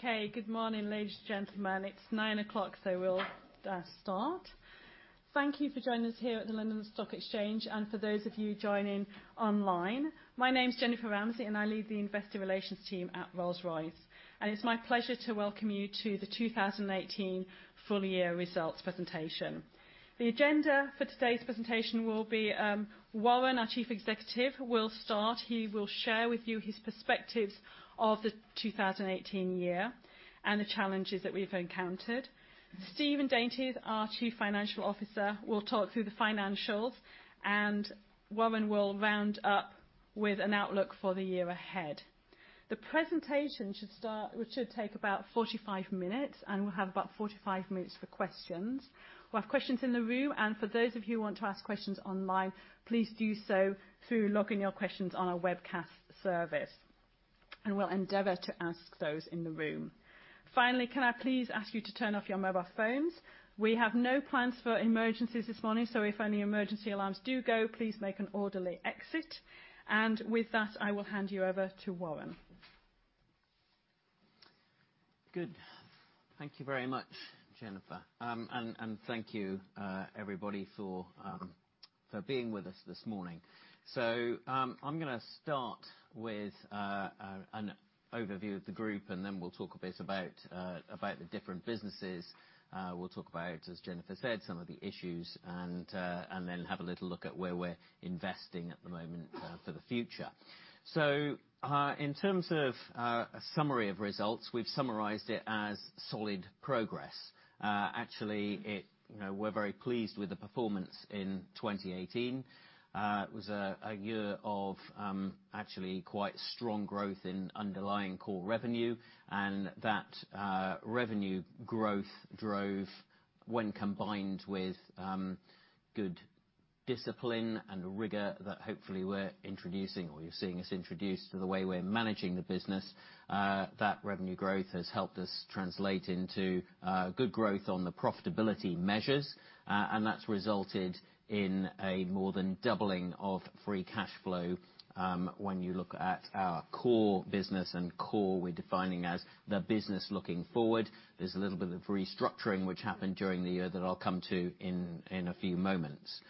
Good morning, ladies and gentlemen. It's 9:00, so we'll start. Thank you for joining us here at the London Stock Exchange and for those of you joining online. My name's Jennifer Ramsey, and I lead the Investor Relations team at Rolls-Royce. It's my pleasure to welcome you to the 2018 full year results presentation. The agenda for today's presentation will be, Warren, our Chief Executive, will start. He will share with you his perspectives of the 2018 year and the challenges that we've encountered. Stephen Daintith, our Chief Financial Officer, will talk through the financials. Warren will round up with an outlook for the year ahead. The presentation should take about 45 minutes, and we'll have about 45 minutes for questions. We'll have questions in the room. For those of you who want to ask questions online, please do so through logging your questions on our webcast service. We'll endeavor to ask those in the room. Finally, can I please ask you to turn off your mobile phones? We have no plans for emergencies this morning, so if any emergency alarms do go, please make an orderly exit. With that, I will hand you over to Warren. Good. Thank you very much, Jennifer. Thank you, everybody, for being with us this morning. I'm going to start with an overview of the group. Then we'll talk a bit about the different businesses. We'll talk about, as Jennifer said, some of the issues. Then have a little look at where we're investing at the moment for the future. In terms of a summary of results, we've summarized it as solid progress. Actually, we're very pleased with the performance in 2018. It was a year of actually quite strong growth in underlying core revenue. That revenue growth drove, when combined with good discipline and rigor that hopefully we're introducing or you're seeing us introduce to the way we're managing the business, that revenue growth has helped us translate into good growth on the profitability measures. That's resulted in a more than doubling of free cash flow when you look at our core business. Core, we're defining as the business looking forward. There's a little bit of restructuring, which happened during the year that I'll come to in a few moments.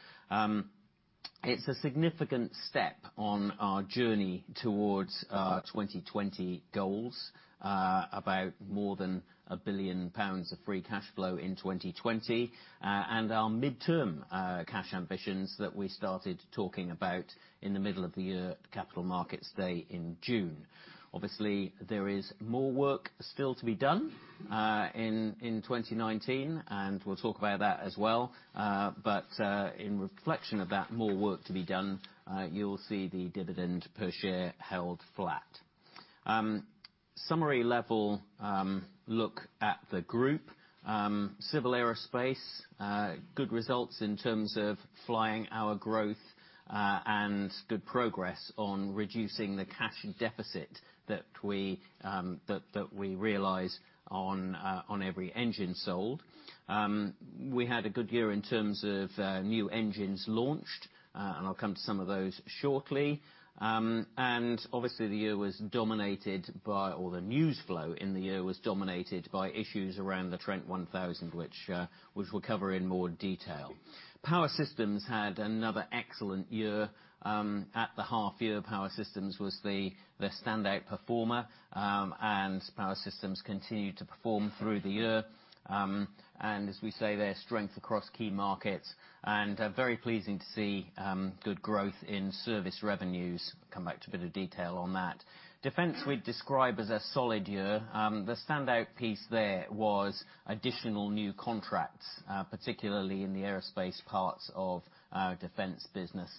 It's a significant step on our journey towards our 2020 goals, about more than 1 billion pounds of free cash flow in 2020, and our midterm cash ambitions that we started talking about in the middle of the year at the Capital Markets Day in June. Obviously, there is more work still to be done in 2019. We'll talk about that as well. In reflection of that, more work to be done, you'll see the dividend per share held flat. Summary-level look at the group. Civil Aerospace, good results in terms of flying our growth, good progress on reducing the cash deficit that we realize on every engine sold. We had a good year in terms of new engines launched, I'll come to some of those shortly. Obviously, the year was dominated by, or the news flow in the year was dominated by issues around the Trent 1000, which we'll cover in more detail. Power Systems had another excellent year. At the half-year, Power Systems was the standout performer, Power Systems continued to perform through the year. As we say, their strength across key markets, very pleasing to see good growth in service revenues. Come back to a bit of detail on that. Defense, we'd describe as a solid year. The standout piece there was additional new contracts, particularly in the aerospace parts of our Defense business.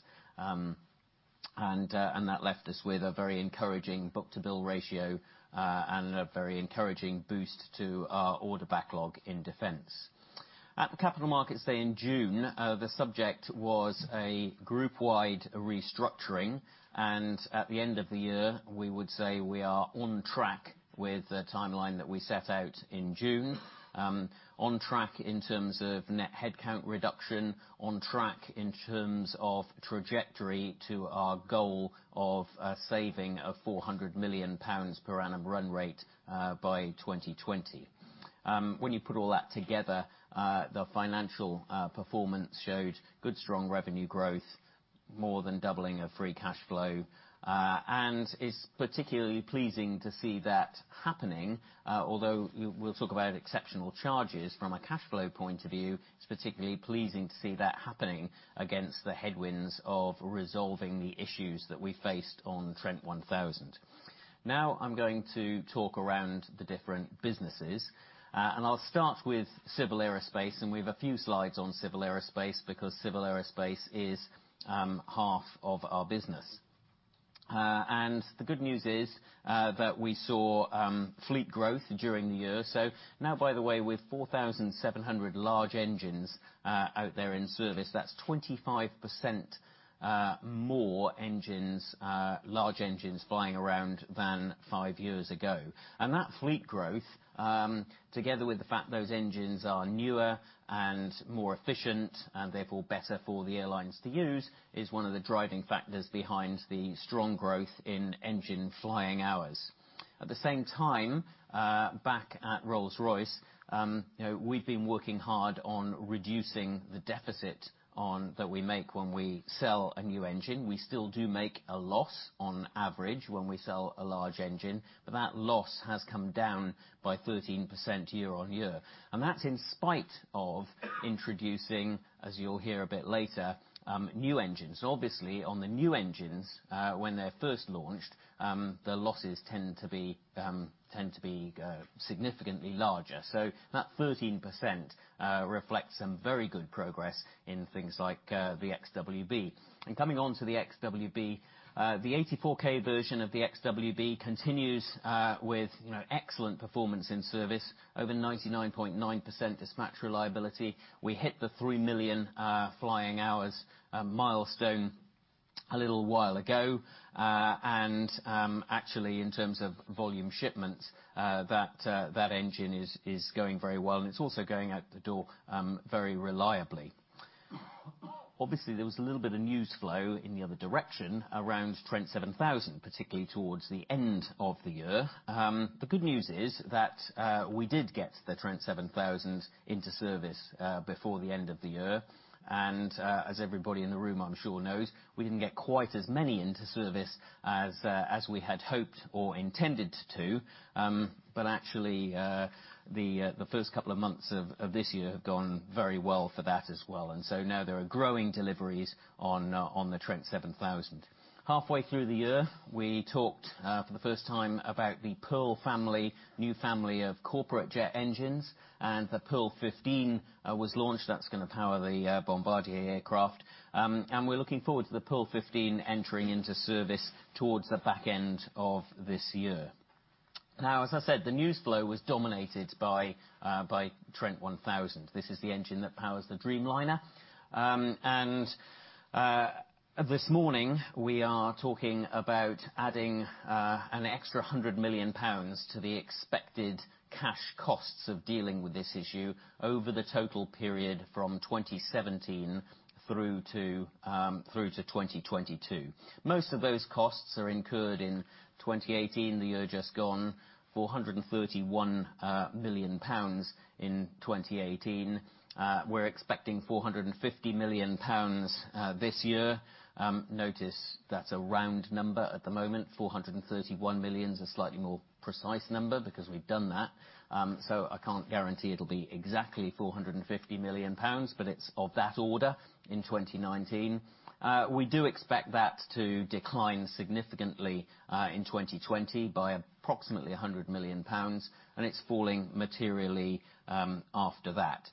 That left us with a very encouraging book-to-bill ratio, a very encouraging boost to our order backlog in Defense. At the Capital Markets Day in June, the subject was a group-wide restructuring, at the end of the year, we would say we are on track with the timeline that we set out in June. On track in terms of net headcount reduction, on track in terms of trajectory to our goal of a saving of 400 million pounds per annum run rate, by 2020. When you put all that together, the financial performance showed good, strong revenue growth, more than doubling of free cash flow. It's particularly pleasing to see that happening. Although we'll talk about exceptional charges from a cash flow point of view, it's particularly pleasing to see that happening against the headwinds of resolving the issues that we faced on Trent 1000. I'm going to talk around the different businesses. I'll start with Civil Aerospace, we've a few slides on Civil Aerospace because Civil Aerospace is half of our business. The good news is that we saw fleet growth during the year. Now, by the way, we've 4,700 large engines out there in service. That's 25% more large engines flying around than five years ago. That fleet growth-Together with the fact those engines are newer and more efficient, therefore better for the airlines to use, is one of the driving factors behind the strong growth in engine flying hours. At the same time, back at Rolls-Royce, we've been working hard on reducing the deficit that we make when we sell a new engine. We still do make a loss on average when we sell a large engine. That loss has come down by 13% year on year. That's in spite of introducing, as you'll hear a bit later, new engines. Obviously, on the new engines, when they're first launched, the losses tend to be significantly larger. So that 13% reflects some very good progress in things like the XWB. Coming onto the XWB, the 84K version of the XWB continues with excellent performance in service. Over 99.9% dispatch reliability. We hit the 3 million flying hours milestone a little while ago. Actually, in terms of volume shipments, that engine is going very well. It's also going out the door very reliably. Obviously, there was a little bit of news flow in the other direction around Trent 7000, particularly towards the end of the year. The good news is that we did get the Trent 7000 into service before the end of the year. As everybody in the room I'm sure knows, we didn't get quite as many into service as we had hoped or intended to. The first couple of months of this year have gone very well for that as well. Now there are growing deliveries on the Trent 7000. Halfway through the year, we talked for the first time about the Pearl family, new family of corporate jet engines. The Pearl 15 was launched, that's going to power the Bombardier aircraft. We're looking forward to the Pearl 15 entering into service towards the back end of this year. Now, as I said, the news flow was dominated by Trent 1000. This is the engine that powers the Dreamliner. This morning, we are talking about adding an extra 100 million pounds to the expected cash costs of dealing with this issue over the total period from 2017-2022. Most of those costs are incurred in 2018, the year just gone. 431 million pounds in 2018. We're expecting 450 million pounds this year. Notice that's a round number at the moment. 431 million is a slightly more precise number because we've done that. I can't guarantee it'll be exactly 450 million pounds, but it's of that order in 2019. We do expect that to decline significantly in 2020 by approximately 100 million pounds, and it's falling materially after that.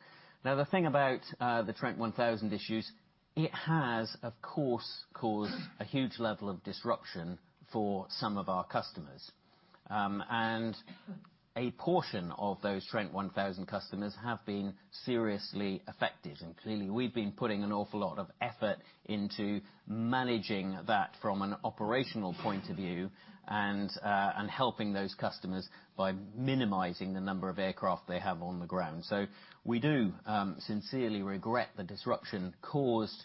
Now the thing about the Trent 1000 issues, it has, of course, caused a huge level of disruption for some of our customers. A portion of those Trent 1000 customers have been seriously affected. Clearly, we've been putting an awful lot of effort into managing that from an operational point of view and helping those customers by minimizing the number of aircraft they have on ground. We do sincerely regret the disruption caused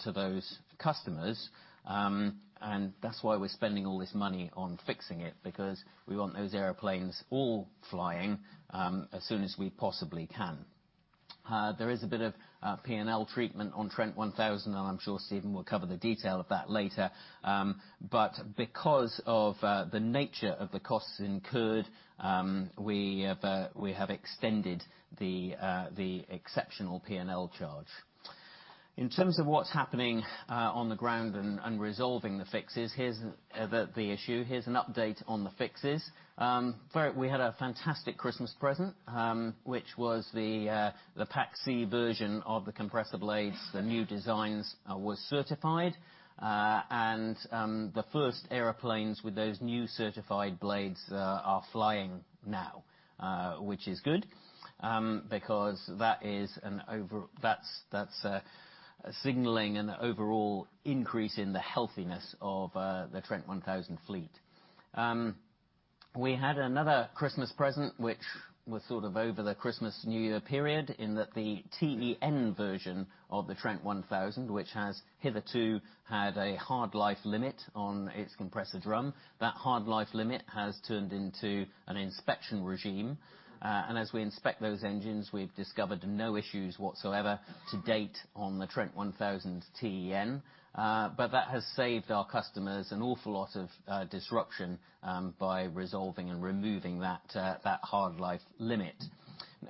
to those customers. That's why we're spending all this money on fixing it, because we want those airplanes all flying as soon as we possibly can. There is a bit of P&L treatment on Trent 1000, and I'm sure Stephen will cover the detail of that later. Because of the nature of the costs incurred, we have extended the exceptional P&L charge. In terms of what's happening on the ground and resolving the fixes, here's the issue. Here's an update on the fixes. We had a fantastic Christmas present, which was the Pack C version of the compressor blades, the new designs was certified. The first airplanes with those new certified blades are flying now, which is good. That's signaling an overall increase in the healthiness of the Trent 1000 fleet. We had another Christmas present, which was sort of over the Christmas-New Year period, in that the TEN version of the Trent 1000, which has hitherto had a hard life limit on its compressor drum. That hard life limit has turned into an inspection regime. As we inspect those engines, we've discovered no issues whatsoever to date on the Trent 1000 TEN. That has saved our customers an awful lot of disruption by resolving and removing that hard life limit.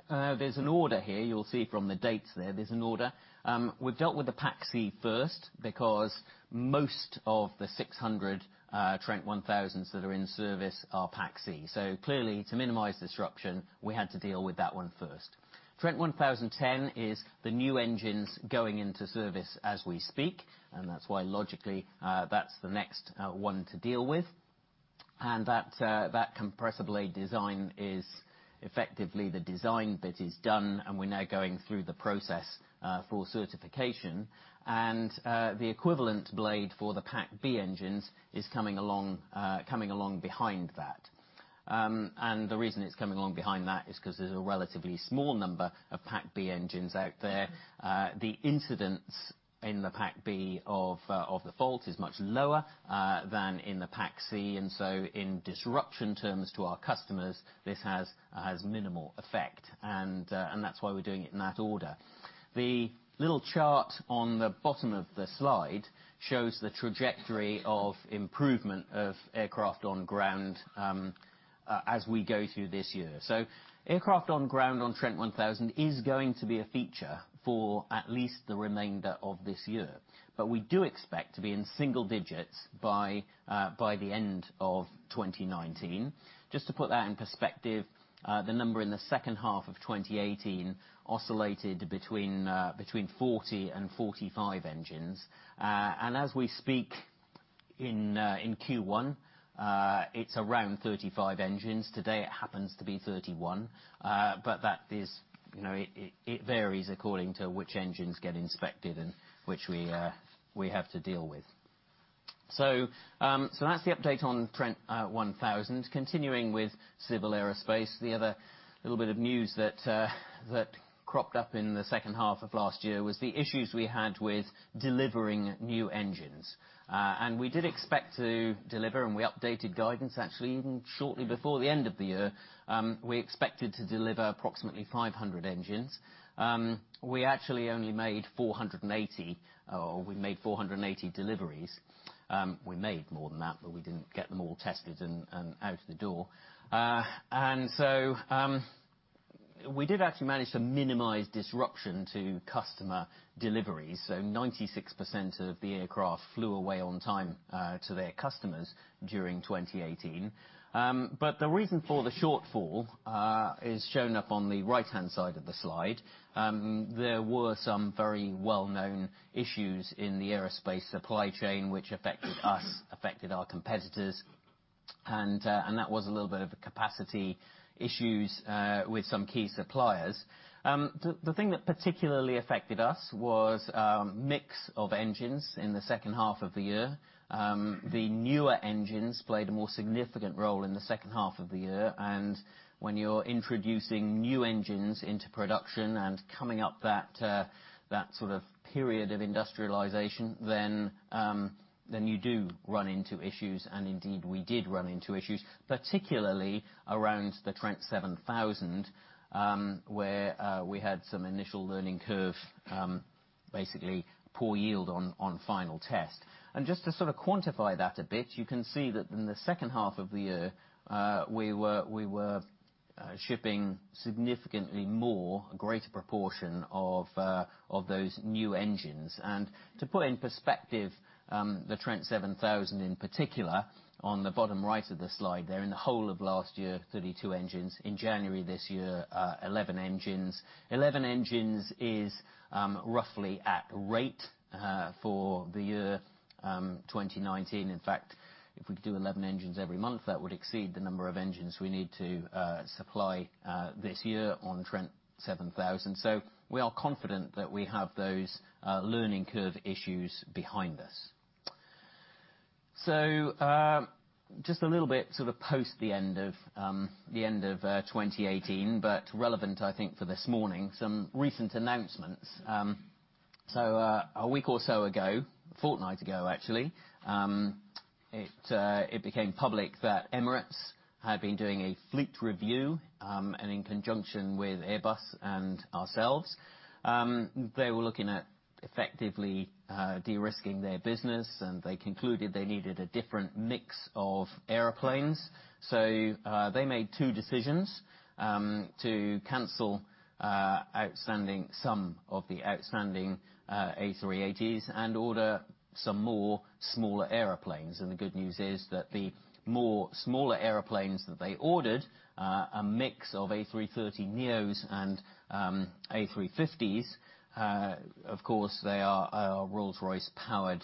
There's an order here. You'll see from the dates there's an order. We've dealt with the Pack C first, because most of the 600 Trent 1000s that are in service are Pack C. Clearly, to minimize disruption, we had to deal with that one first. Trent 1000 TEN is the new engines going into service as we speak, that's why logically, that's the next one to deal with. That compressor blade design is effectively the design bit is done, and we're now going through the process for certification. The equivalent blade for the Pack B engines is coming along behind that. The reason it's coming along behind that is because there's a relatively small number of Pack B engines out there. The incidence in the Pack B of the fault is much lower than in the Pack C. In disruption terms to our customers, this has minimal effect. That's why we're doing it in that order. The little chart on the bottom of the slide shows the trajectory of improvement of aircraft on ground as we go through this year. Aircraft on ground on Trent 1000 is going to be a feature for at least the remainder of this year. We do expect to be in single digits by the end of 2019. Just to put that in perspective, the number in the second half of 2018 oscillated between 40 and 45 engines. As we speak, in Q1, it's around 35 engines. Today it happens to be 31. It varies according to which engines get inspected and which we have to deal with. That's the update on Trent 1000. Continuing with Civil Aerospace, the other little bit of news that cropped up in the second half of last year was the issues we had with delivering new engines. We did expect to deliver, and we updated guidance, actually, even shortly before the end of the year. We expected to deliver approximately 500 engines. We actually only made 480. We made 480 deliveries. We made more than that, but we didn't get them all tested and out of the door. We did actually manage to minimize disruption to customer deliveries. 96% of the aircraft flew away on time to their customers during 2018. The reason for the shortfall is shown up on the right-hand side of the slide. There were some very well-known issues in the aerospace supply chain, which affected us, affected our competitors. That was a little bit of a capacity issues with some key suppliers. The thing that particularly affected us was a mix of engines in the second half of the year. The newer engines played a more significant role in the second half of the year. When you're introducing new engines into production and coming up that sort of period of industrialization, then you do run into issues. Indeed, we did run into issues, particularly around the Trent 7000, where we had some initial learning curve, basically poor yield on final test. Just to sort of quantify that a bit, you can see that in the second half of the year, we were shipping significantly more, a greater proportion of those new engines. To put it in perspective, the Trent 7000 in particular, on the bottom right of the slide there, in the whole of last year, 32 engines. In January this year, 11 engines. 11 engines is roughly at rate for the year 2019. In fact, if we could do 11 engines every month, that would exceed the number of engines we need to supply this year on Trent 7000. We are confident that we have those learning curve issues behind us. Just a little bit sort of post the end of 2018, but relevant I think for this morning, some recent announcements. A week or so ago, a fortnight ago, actually, it became public that Emirates had been doing a fleet review. In conjunction with Airbus and ourselves, they were looking at effectively de-risking their business, and they concluded they needed a different mix of airplanes. They made two decisions. To cancel some of the outstanding A380s and order some more smaller airplanes. The good news is that the more smaller airplanes that they ordered, a mix of A330neos and A350s, of course, they are Rolls-Royce powered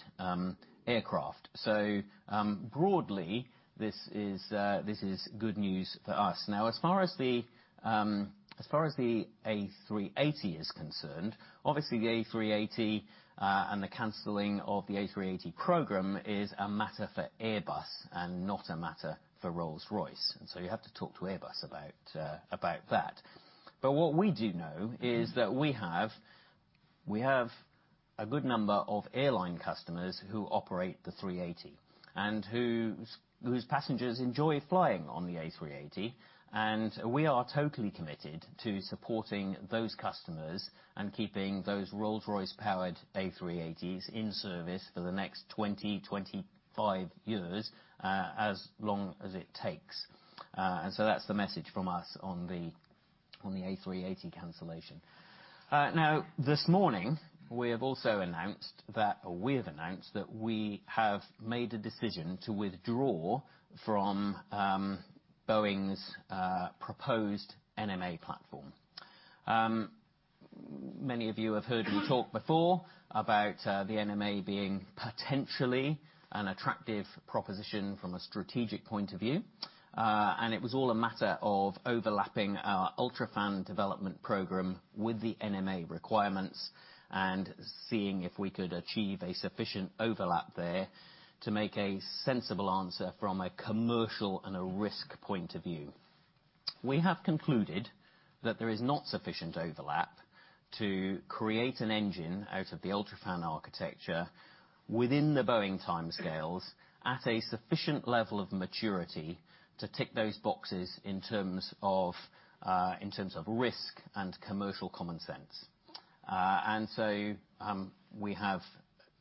aircraft. Broadly, this is good news for us. As far as the A380 is concerned, obviously the A380 and the canceling of the A380 program is a matter for Airbus and not a matter for Rolls-Royce. You have to talk to Airbus about that. What we do know is that we have a good number of airline customers who operate the A380 and whose passengers enjoy flying on the A380. We are totally committed to supporting those customers and keeping those Rolls-Royce powered A380s in service for the next 20, 25 years, as long as it takes. That's the message from us on the A380 cancellation. This morning, we have announced that we have made a decision to withdraw from Boeing's proposed NMA platform. Many of you have heard me talk before about the NMA being potentially an attractive proposition from a strategic point of view. It was all a matter of overlapping our UltraFan development program with the NMA requirements and seeing if we could achieve a sufficient overlap there to make a sensible answer from a commercial and a risk point of view. We have concluded that there is not sufficient overlap to create an engine out of the UltraFan architecture within the Boeing timescales at a sufficient level of maturity to tick those boxes in terms of risk and commercial common sense. We have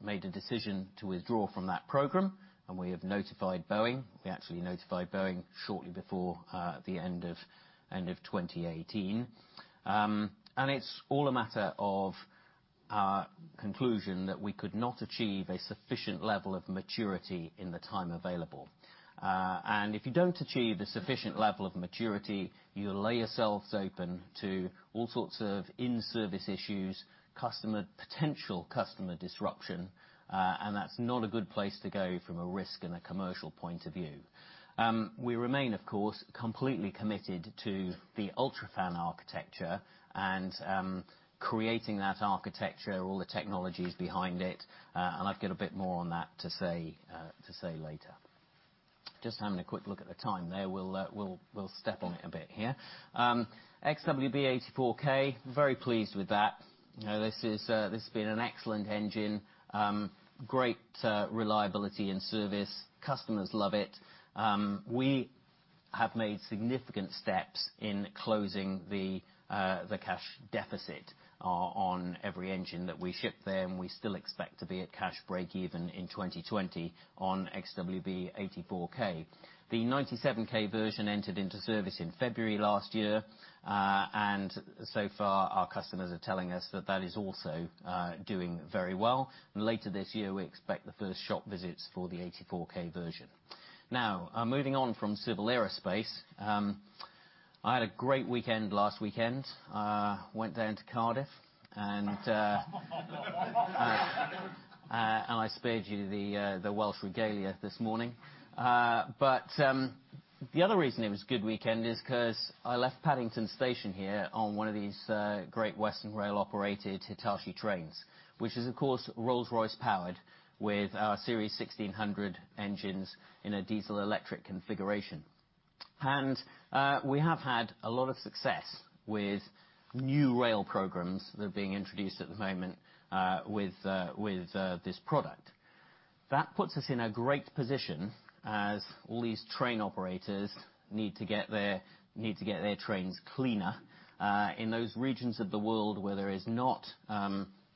made a decision to withdraw from that program, and we have notified Boeing. We actually notified Boeing shortly before the end of 2018. It's all a matter of our conclusion that we could not achieve a sufficient level of maturity in the time available. If you don't achieve the sufficient level of maturity, you lay yourselves open to all sorts of in-service issues, potential customer disruption, and that's not a good place to go from a risk and a commercial point of view. We remain, of course, completely committed to the UltraFan architecture and creating that architecture, all the technologies behind it, and I've got a bit more on that to say later. Just having a quick look at the time there. We'll step on it a bit here. XWB-84K, very pleased with that. This has been an excellent engine. Great reliability in service. Customers love it. We have made significant steps in closing the cash deficit on every engine that we ship there, we still expect to be at cash breakeven in 2020 on XWB-84K. The 97K version entered into service in February last year. So far, our customers are telling us that is also doing very well. Later this year, we expect the first shop visits for the 84K version. Moving on from Civil Aerospace. I had a great weekend last weekend. Went down to Cardiff, and I spared you the Welsh regalia this morning. The other reason it was a good weekend is because I left Paddington Station here on one of these Great Western Rail-operated Hitachi trains, which is, of course, Rolls-Royce powered with our Series 1600 engines in a diesel-electric configuration. We have had a lot of success with new rail programs that are being introduced at the moment with this product. That puts us in a great position as all these train operators need to get their trains cleaner in those regions of the world where there is not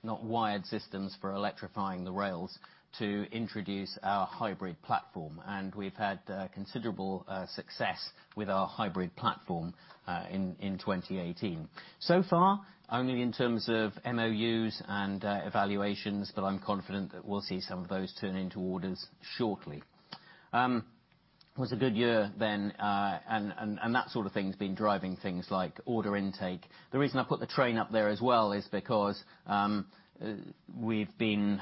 wired systems for electrifying the rails to introduce our hybrid platform. We've had considerable success with our hybrid platform in 2018. So far, only in terms of MOUs and evaluations, but I'm confident that we'll see some of those turn into orders shortly. It was a good year then, and that sort of thing's been driving things like order intake. The reason I put the train up there as well is because we've been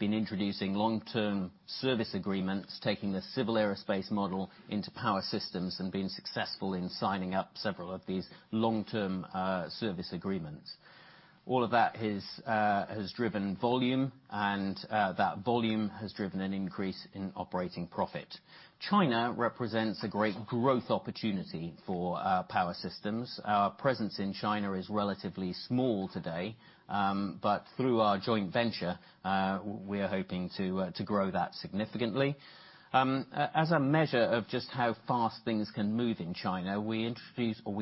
introducing long-term service agreements, taking the Civil Aerospace model into Power Systems and being successful in signing up several of these long-term service agreements. All of that has driven volume, and that volume has driven an increase in operating profit. China represents a great growth opportunity for our Power Systems. Our presence in China is relatively small today. Through our joint venture, we are hoping to grow that significantly. As a measure of just how fast things can move in China, we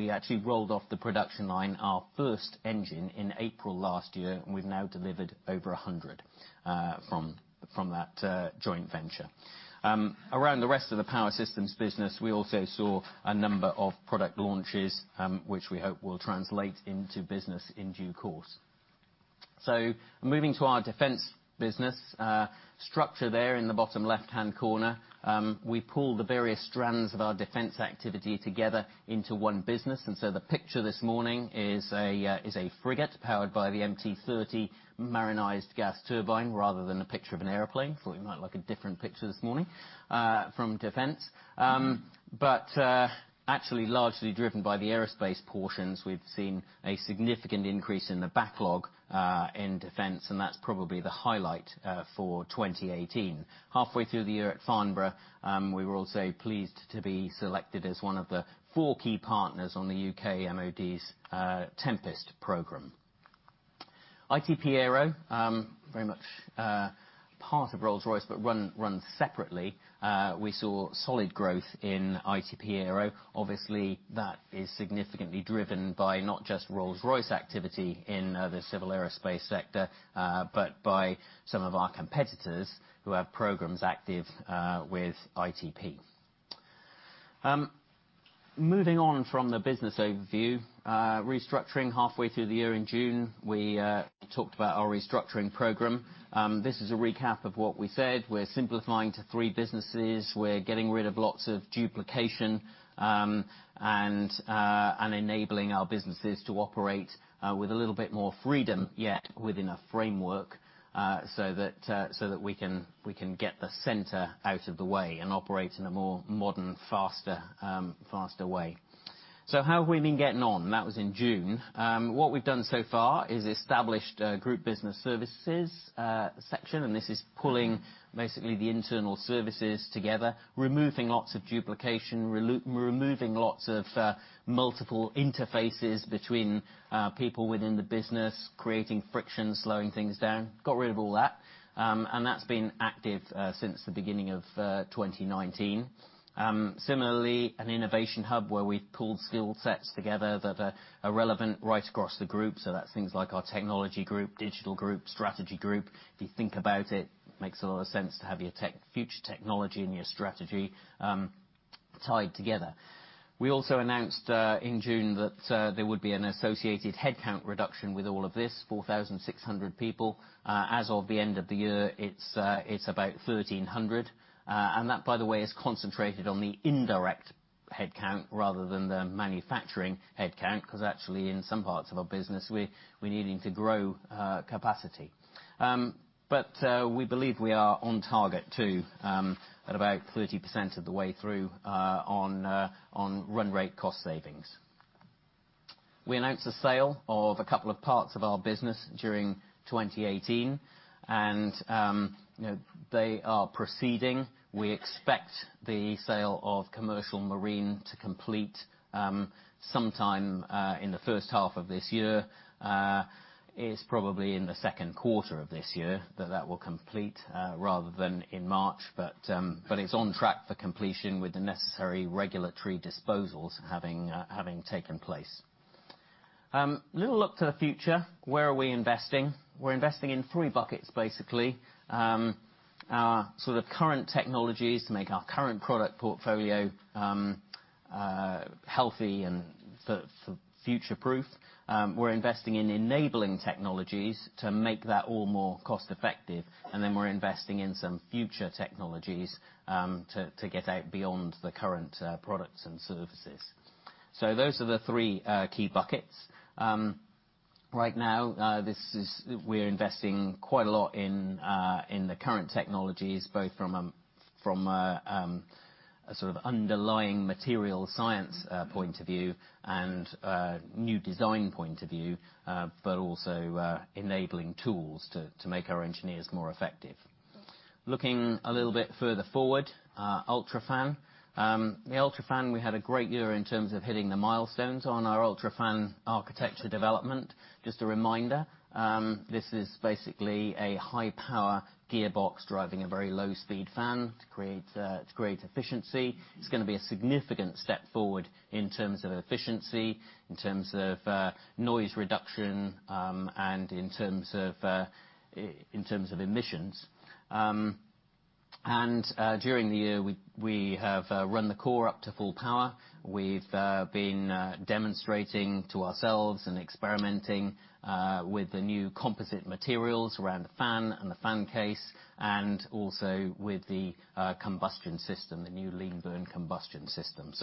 actually rolled off the production line our first engine in April last year, and we've now delivered over 100 from that joint venture. Around the rest of the Power Systems business, we also saw a number of product launches, which we hope will translate into business in due course. Moving to our defense business. Structure there in the bottom left-hand corner. We pool the various strands of our defense activity together into one business. The picture this morning is a frigate powered by the MT30 marinized gas turbine rather than a picture of an airplane. Thought you might like a different picture this morning from defense. Largely driven by the aerospace portions, we've seen a significant increase in the backlog in defense, and that's probably the highlight for 2018. Halfway through the year at Farnborough, we were also pleased to be selected as one of the four key partners on the U.K. MOD's Tempest program. ITP Aero, very much part of Rolls-Royce, but run separately. We saw solid growth in ITP Aero. Obviously, that is significantly driven by not just Rolls-Royce activity in the Civil Aerospace sector, but by some of our competitors who have programs active with ITP. Moving on from the business overview. Restructuring halfway through the year in June. We talked about our restructuring program. This is a recap of what we said. We're simplifying to three businesses. We're getting rid of lots of duplication, enabling our businesses to operate with a little bit more freedom, yet within a framework, so that we can get the center out of the way and operate in a more modern, faster way. How have we been getting on? That was in June. What we've done so far is established a Group Business Services section, and this is pulling basically the internal services together, removing lots of duplication, removing lots of multiple interfaces between people within the business, creating friction, slowing things down. Got rid of all that. That's been active since the beginning of 2019. Similarly, an innovation hub where we've pulled skillsets together that are relevant right across the group. That's things like our technology group, digital group, strategy group. If you think about it, makes a lot of sense to have your future technology and your strategy tied together. We also announced in June that there would be an associated headcount reduction with all of this, 4,600 people. As of the end of the year, it's about 1,300. That, by the way, is concentrated on the indirect headcount rather than the manufacturing headcount, because actually in some parts of our business, we're needing to grow capacity. We believe we are on target too, at about 30% of the way through on run rate cost savings. We announced the sale of a couple of parts of our business during 2018, they are proceeding. We expect the sale of Commercial Marine to complete sometime in the first half of this year. It's probably in the second quarter of this year that that will complete rather than in March. It's on track for completion with the necessary regulatory disposals having taken place. Little look to the future. Where are we investing? We're investing in three buckets, basically. Our sort of current technologies to make our current product portfolio healthy and future-proof. We're investing in enabling technologies to make that all more cost-effective. Then we're investing in some future technologies to get out beyond the current products and services. Those are the three key buckets. Right now, we're investing quite a lot in the current technologies, both from a sort of underlying material science point of view and a new design point of view, but also enabling tools to make our engineers more effective. Looking a little bit further forward, UltraFan. The UltraFan, we had a great year in terms of hitting the milestones on our UltraFan architecture development. Just a reminder, this is basically a high-power gearbox driving a very low-speed fan to create efficiency. It's going to be a significant step forward in terms of efficiency, in terms of noise reduction, and in terms of emissions. During the year, we have run the core up to full power. We've been demonstrating to ourselves and experimenting with the new composite materials around the fan and the fan case, and also with the combustion system, the new lean burn combustion system.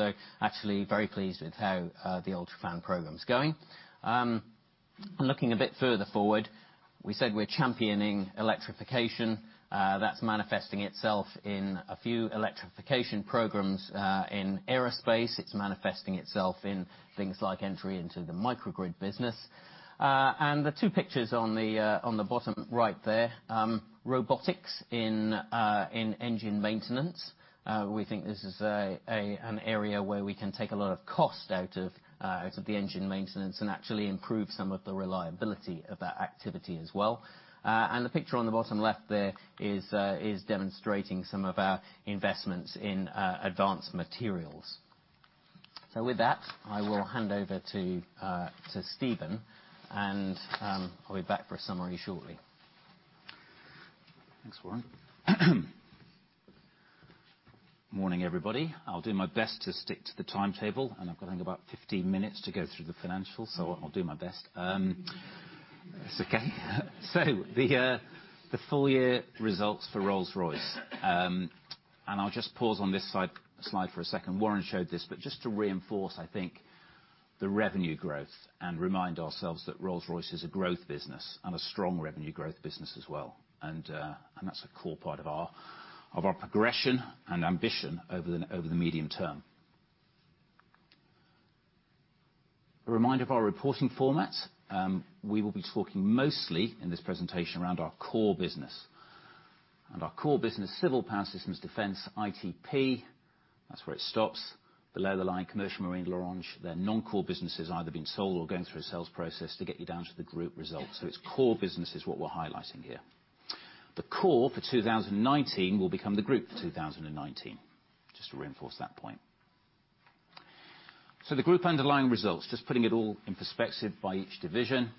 Actually, very pleased with how the UltraFan program is going. Looking a bit further forward, we said we're championing electrification. That's manifesting itself in a few electrification programs in aerospace. It's manifesting itself in things like entry into the microgrid business. The two pictures on the bottom right there, robotics in engine maintenance. We think this is an area where we can take a lot of cost out of the engine maintenance and actually improve some of the reliability of that activity as well. The picture on the bottom left there is demonstrating some of our investments in advanced materials. With that, I will hand over to Stephen, and I'll be back for a summary shortly. Thanks, Warren. Morning, everybody. I'll do my best to stick to the timetable, I've got about 15 minutes to go through the financials, I'll do my best. It's okay. The full-year results for Rolls-Royce, I'll just pause on this slide for a second. Warren showed this, but just to reinforce, I think, the revenue growth and remind ourselves that Rolls-Royce is a growth business and a strong revenue growth business as well. That's a core part of our progression and ambition over the medium term. A reminder of our reporting format. We will be talking mostly in this presentation around our core business. Our core business, Civil, Power Systems, Defense, ITP, that's where it stops. Below the line, Commercial Marine, L'Orange, they're non-core businesses, either being sold or going through a sales process to get you down to the group results. It's core business is what we're highlighting here. The core for 2019 will become the group for 2019, just to reinforce that point. The group underlying results, just putting it all in perspective by each division.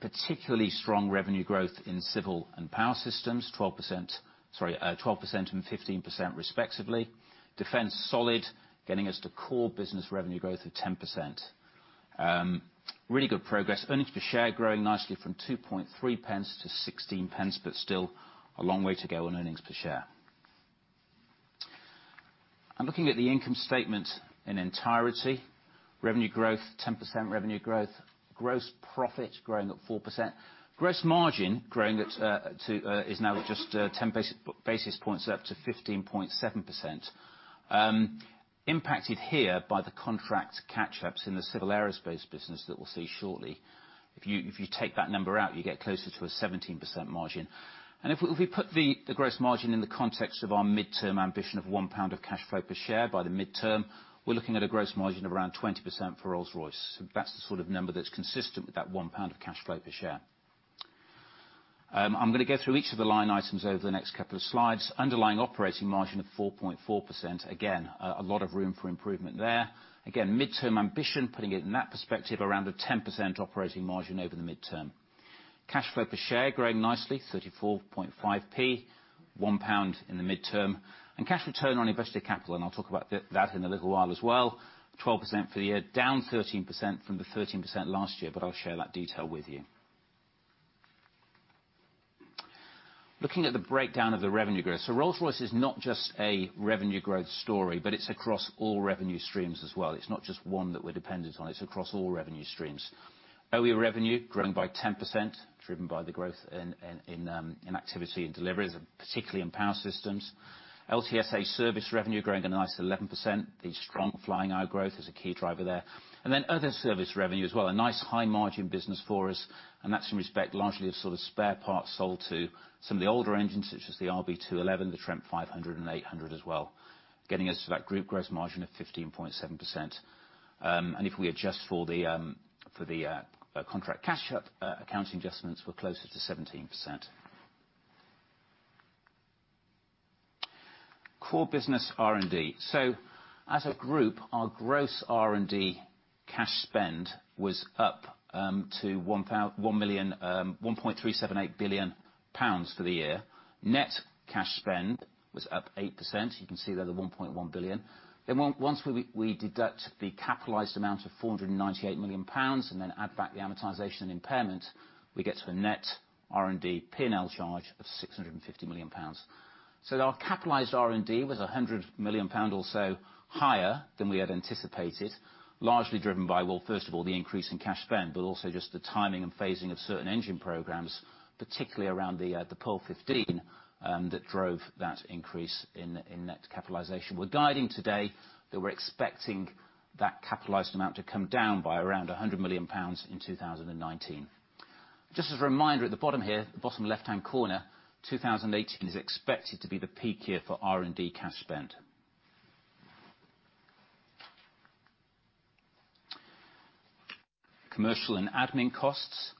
Particularly strong revenue growth in Civil and Power Systems, 12% and 15% respectively. Defense, solid, getting us to core business revenue growth of 10%. Really good progress. Earnings per share growing nicely from 0.023 to 0.16, still a long way to go on earnings per share. Looking at the income statement in entiretyRevenue growth, 10% revenue growth. Gross profit growing at 4%. Gross margin is now just 10 basis points up to 15.7%, impacted here by the contract catch-ups in the Civil Aerospace business that we'll see shortly. If you take that number out, you get closer to a 17% margin. If we put the gross margin in the context of our mid-term ambition of GBP 1 of cash flow per share by the mid-term, we're looking at a gross margin of around 20% for Rolls-Royce. That's the sort of number that's consistent with that 1 pound of cash flow per share. I'm going through each of the line items over the next couple of slides. Underlying operating margin of 4.4%. Again, a lot of room for improvement there. Again, mid-term ambition, putting it in that perspective, around a 10% operating margin over the mid-term. Cash flow per share growing nicely, 0.345, 1 pound in the mid-term. Cash return on invested capital, I'll talk about that in a little while as well, 12% for the year, down 13% from the 13% last year, I'll share that detail with you. Looking at the breakdown of the revenue growth. Rolls-Royce is not just a revenue growth story, but it's across all revenue streams as well. It's not just one that we're dependent on, it's across all revenue streams. OE revenue growing by 10%, driven by the growth in activity and deliveries, particularly in Power Systems. LTSA service revenue growing a nice 11%, the strong flying hour growth is a key driver there. Other service revenue as well, a nice high margin business for us, and that's in respect largely of spare parts sold to some of the older engines, such as the RB211, the Trent 500 and Trent 800 as well, getting us to that group gross margin of 15.7%. If we adjust for the contract catch-up accounting adjustments, we're closer to 17%. Core business R&D. As a group, our gross R&D cash spend was up to 1.378 billion pounds for the year. Net cash spend was up 8%. You can see there the 1.1 billion. Once we deduct the capitalized amount of 498 million pounds and then add back the amortization and impairment, we get to a net R&D P&L charge of 650 million pounds. Our capitalized R&D was 100 million pound or so higher than we had anticipated, largely driven by, well, first of all, the increase in cash spend, but also just the timing and phasing of certain engine programs, particularly around the Pearl 15, that drove that increase in net capitalization. We're guiding today that we're expecting that capitalized amount to come down by around 100 million pounds in 2019. Just as a reminder, at the bottom here, bottom left-hand corner, 2018 is expected to be the peak year for R&D cash spend. Commercial and admin costs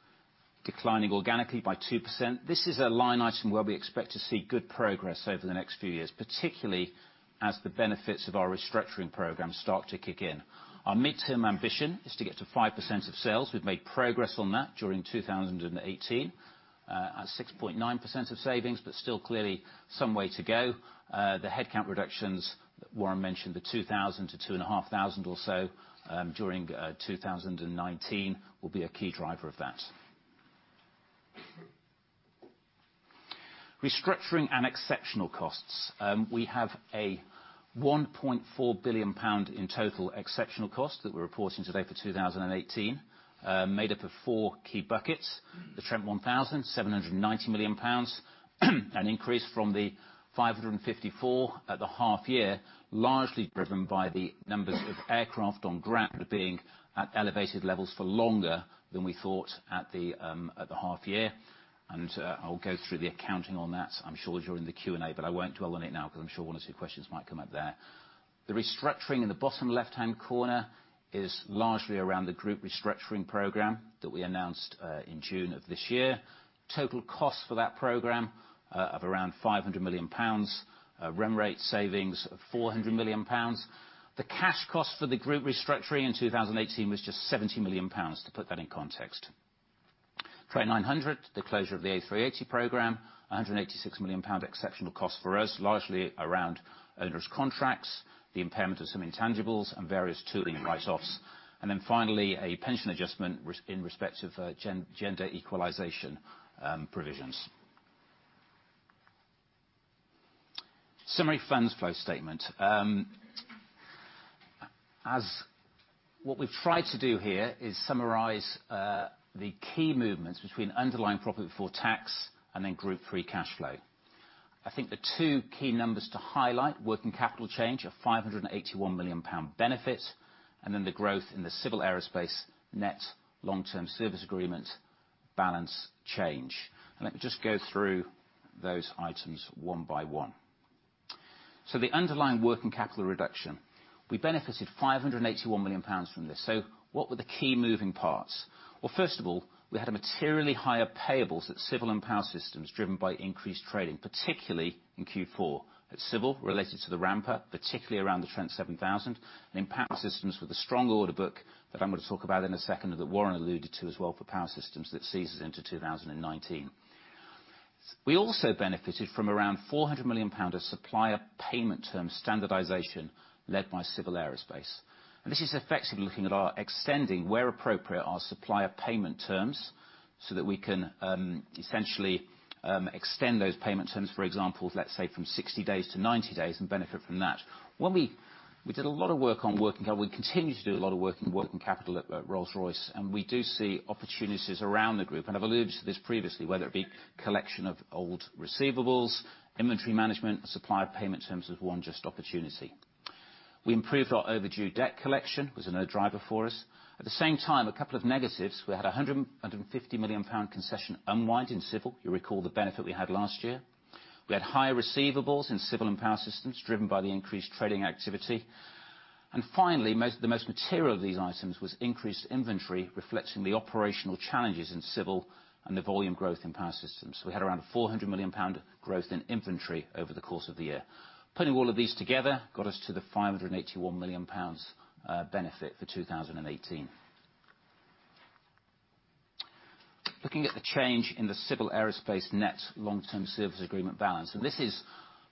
declining organically by 2%. This is a line item where we expect to see good progress over the next few years, particularly as the benefits of our restructuring program start to kick in. Our mid-term ambition is to get to 5% of sales. We've made progress on that during 2018. At 6.9% of savings, but still clearly some way to go. The headcount reductions that Warren mentioned, the 2,000 to 2,500 or so during 2019, will be a key driver of that. Restructuring and exceptional costs. We have a 1.4 billion pound in total exceptional cost that we're reporting today for 2018, made up of four key buckets. The Trent 1000, 790 million pounds, an increase from the 554 million at the half year, largely driven by the numbers of aircraft on ground being at elevated levels for longer than we thought at the half year. I'll go through the accounting on that, I'm sure during the Q&A, but I won't dwell on it now because I'm sure one or two questions might come up there. The restructuring in the bottom left-hand corner is largely around the group restructuring program that we announced in June of this year. Total cost for that program of around 500 million pounds. Run rate savings of 400 million pounds. The cash cost for the group restructuring in 2018 was just 70 million pounds, to put that in context. Trent 900, the closure of the A380 program, 186 million pound exceptional cost for us, largely around owners' contracts, the impairment of some intangibles, and various tooling write-offs. Finally, a pension adjustment in respect of gender equalization provisions. Summary funds flow statement. What we've tried to do here is summarize the key movements between underlying profit before tax and then group free cash flow. I think the two key numbers to highlight, working capital change of 581 million pound benefit, and then the growth in the Civil Aerospace net Long-Term Service Agreement balance change. Let me just go through those items one by one. The underlying working capital reduction, we benefited 581 million pounds from this. What were the key moving parts? First of all, we had a materially higher payables at Civil and Power Systems driven by increased trading, particularly in Q4. At Civil, related to the ramp-up, particularly around the Trent 7000. In Power Systems with a strong order book that I'm going to talk about in a second, that Warren alluded to as well for Power Systems that sees us into 2019. We also benefited from around 400 million of supplier payment term standardization led by Civil Aerospace. This is effectively looking at our extending, where appropriate, our supplier payment terms so that we can essentially extend those payment terms. For example, let's say from 60 days to 90 days, and benefit from that. We did a lot of work on working capital. We continue to do a lot of work in working capital at Rolls-Royce, and we do see opportunities around the group, and I've alluded to this previously, whether it be collection of old receivables, inventory management, supplier payment terms of one just opportunity. We improved our overdue debt collection. It was another driver for us. At the same time, a couple of negatives. We had 150 million pound concession unwind in Civil. You recall the benefit we had last year. We had higher receivables in Civil and Power Systems driven by the increased trading activity. Finally, the most material of these items was increased inventory, reflecting the operational challenges in Civil and the volume growth in Power Systems. We had around 400 million pound growth in inventory over the course of the year. Putting all of these together got us to the 581 million pounds benefit for 2018. Looking at the change in the Civil Aerospace net Long-Term Service Agreement balance,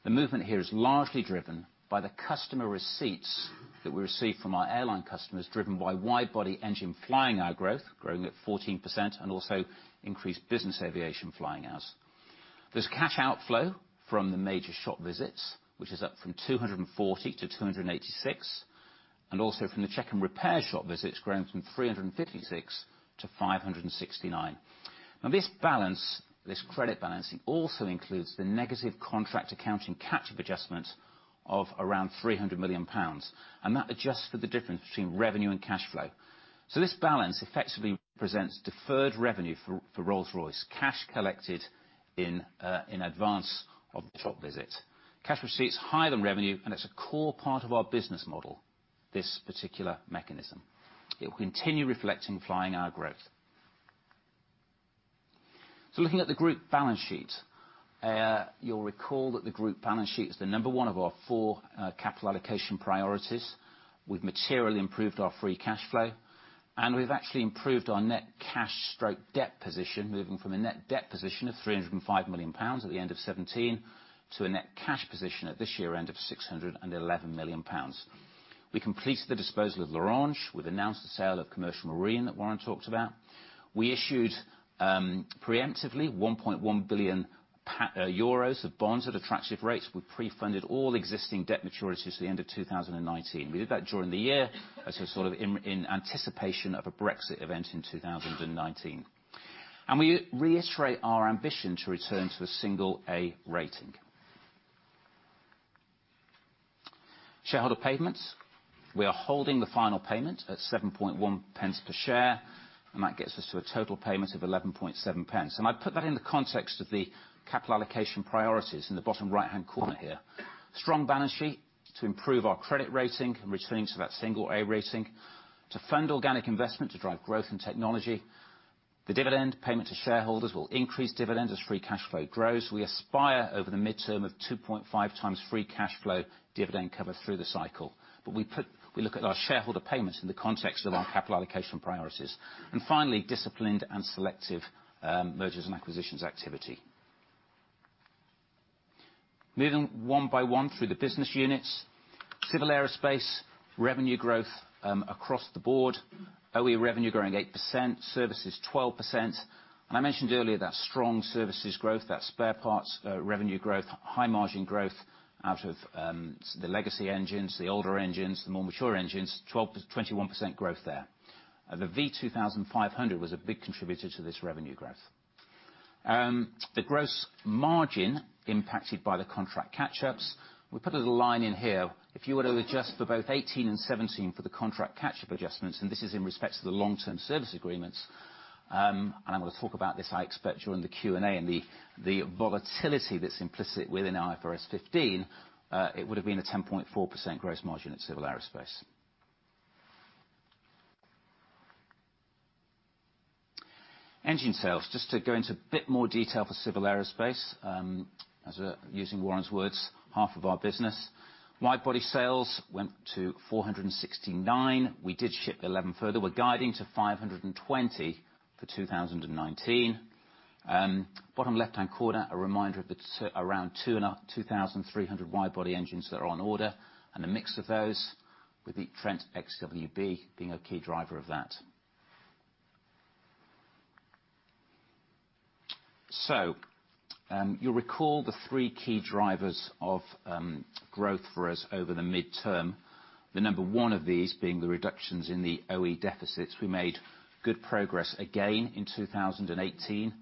the movement here is largely driven by the customer receipts that we receive from our airline customers, driven by wide-body engine flying hour growth, growing at 14%, and also increased business aviation flying hours. There's cash outflow from the major shop visits, which is up from 240 to 286, and also from the check and repair shop visits growing from 356 to 569. This credit balancing also includes the negative contract accounting catch-up adjustment of around 300 million pounds. That adjusts for the difference between revenue and cash flow. This balance effectively represents deferred revenue for Rolls-Royce, cash collected in advance of the shop visit. Cash receipts higher than revenue, it's a core part of our business model, this particular mechanism. It will continue reflecting flying hour growth. Looking at the group balance sheet, you'll recall that the group balance sheet is the number one of our four capital allocation priorities. We've materially improved our free cash flow, and we've actually improved our net cash/debt position, moving from a net debt position of 305 million pounds at the end of 2017 to a net cash position at this year-end of 611 million pounds. We completed the disposal of L'Orange. We've announced the sale of Commercial Marine that Warren talked about. We issued preemptively 1.1 billion euros of bonds at attractive rates. We prefunded all existing debt maturities at the end of 2019. We did that during the year as in anticipation of a Brexit event in 2019. We reiterate our ambition to return to a single A rating. Shareholder payments, we are holding the final payment at 0.071 per share, and that gets us to a total payment of 0.117. I put that in the context of the capital allocation priorities in the bottom right-hand corner here. Strong balance sheet to improve our credit rating and returning to that single A rating to fund organic investment to drive growth and technology. The dividend payment to shareholders will increase dividend as free cash flow grows. We aspire over the midterm of 2.5 times free cash flow dividend cover through the cycle. We look at our shareholder payments in the context of our capital allocation priorities. Finally, disciplined and selective mergers and acquisitions activity. Moving one by one through the business units. Civil Aerospace, revenue growth, across the board. OE revenue growing 8%, services 12%. I mentioned earlier that strong services growth, that spare parts revenue growth, high margin growth out of the legacy engines, the older engines, the more mature engines, 21% growth there. The V2500 was a big contributor to this revenue growth. The gross margin impacted by the contract catch-ups. We put a little line in here. If you were to adjust for both 2018 and 2017 for the contract catch-up adjustments, and this is in respect to the Long-Term Service Agreements, and I'm going to talk about this, I expect, during the Q&A and the volatility that's implicit within IFRS 15, it would have been a 10.4% gross margin at Civil Aerospace. Engine sales, just to go into a bit more detail for Civil Aerospace, as we're using Warren's words, half of our business. Wide body sales went to 469. We did ship 11 further. We're guiding to 520 for 2019. Bottom left-hand corner, a reminder of around 2,300 wide body engines that are on order, and a mix of those with the Trent XWB being a key driver of that. You'll recall the three key drivers of growth for us over the midterm. The number one of these being the reductions in the OE deficits. We made good progress again in 2018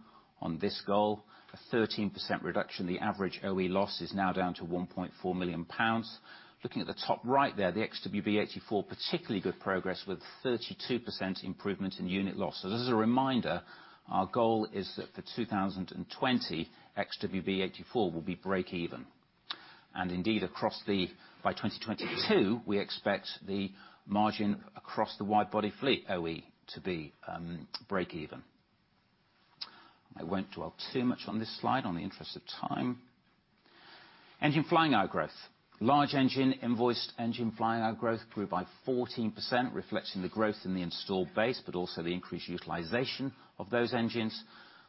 on this goal, a 13% reduction. The average OE loss is now down to 1.4 million pounds. Looking at the top right there, the XWB-84, particularly good progress with 32% improvement in unit loss. As a reminder, our goal is that for 2020, XWB-84 will be break even. Indeed, by 2022, we expect the margin across the wide body fleet OE to be break even. I won't dwell too much on this slide in the interest of time. Engine flying hour growth. Large engine invoiced engine flying hour growth grew by 14%, reflecting the growth in the installed base, but also the increased utilization of those engines.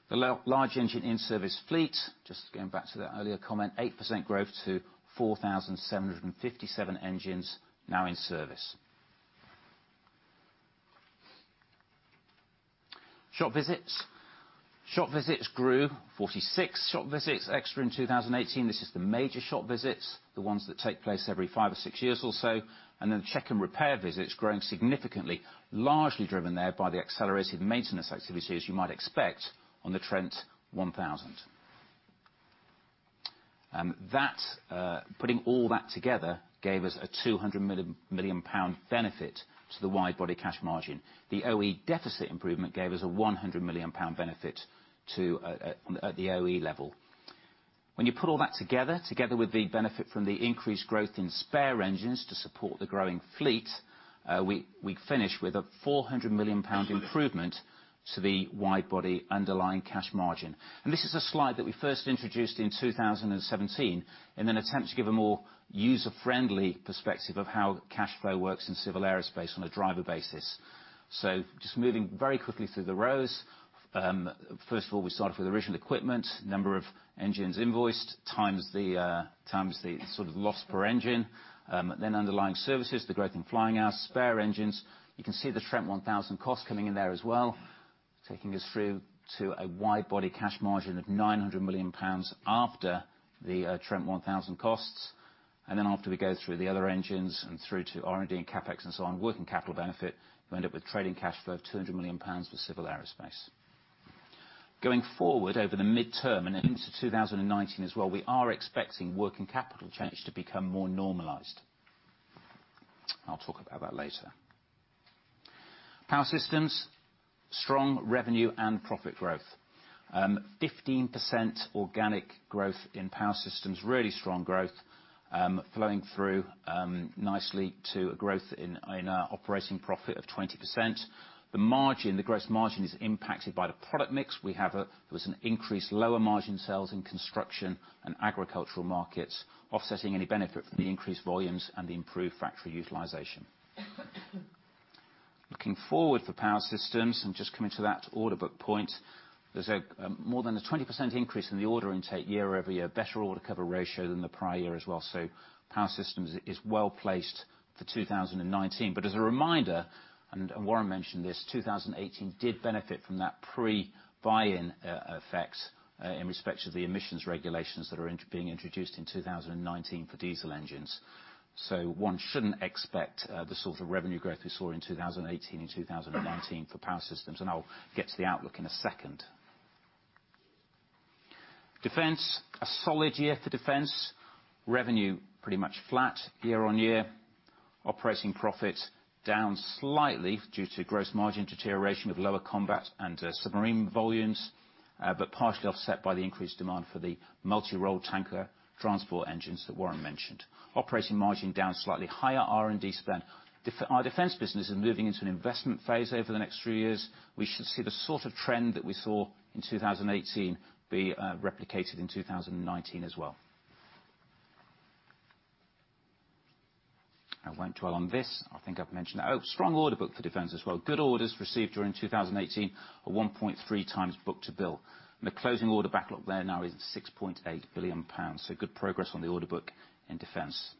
The large engine in service fleet, just going back to that earlier comment, 8% growth to 4,757 engines now in service. Shop visits. Shop visits grew, 46 shop visits extra in 2018. This is the major shop visits, the ones that take place every five or six years or so. Check and repair visits growing significantly, largely driven there by the accelerated maintenance activity, as you might expect on the Trent 1000. Putting all that together gave us a 200 million pound benefit to the wide body cash margin. The OE deficit improvement gave us a 100 million pound benefit at the OE level. When you put all that together with the benefit from the increased growth in spare engines to support the growing fleet, we finish with a 400 million pound improvement to the wide body underlying cash margin. This is a slide that we first introduced in 2017, in an attempt to give a more user-friendly perspective of how cash flow works in Civil Aerospace on a driver basis. Just moving very quickly through the rows. First of all, we started with original equipment, number of engines invoiced times the loss per engine. Underlying services, the growth in flying hours, spare engines. You can see the Trent 1000 cost coming in there as well, taking us through to a wide body cash margin of 900 million pounds after the Trent 1000 costs. After we go through the other engines and through to R&D and CapEx and so on, working capital benefit, we end up with trading cash flow of 200 million pounds for Civil Aerospace. Going forward over the midterm and into 2019 as well, we are expecting working capital change to become more normalized. I'll talk about that later. Power Systems, strong revenue and profit growth. 15% organic growth in Power Systems, really strong growth, flowing through nicely to a growth in operating profit of 20%. The margin, the gross margin, is impacted by the product mix. There was an increased lower margin sales in construction and agricultural markets offsetting any benefit from the increased volumes and the improved factory utilization. Looking forward for Power Systems, just coming to that order book point, there's a more than a 20% increase in the order intake year-over-year, better order cover ratio than the prior year as well. Power Systems is well-placed for 2019. As a reminder, Warren mentioned this, 2018 did benefit from that pre-buy in effect, in respect to the emissions regulations that are being introduced in 2019 for diesel engines. One shouldn't expect the sort of revenue growth we saw in 2018 and 2019 for Power Systems. I'll get to the outlook in a second. Defense, a solid year for Defense. Revenue pretty much flat year-on-year. Operating profit down slightly due to gross margin deterioration with lower combat and submarine volumes, partially offset by the increased demand for the Multi-Role Tanker Transport engines that Warren mentioned. Operating margin down slightly higher R&D spend. Our Defense business is moving into an investment phase over the next three years. We should see the sort of trend that we saw in 2018 be replicated in 2019 as well. I won't dwell on this. I think I've mentioned strong order book for Defense as well. Good orders received during 2018, a 1.3 times book-to-bill. The closing order backlog there now is 6.8 billion pounds. Good progress on the order book in Defense.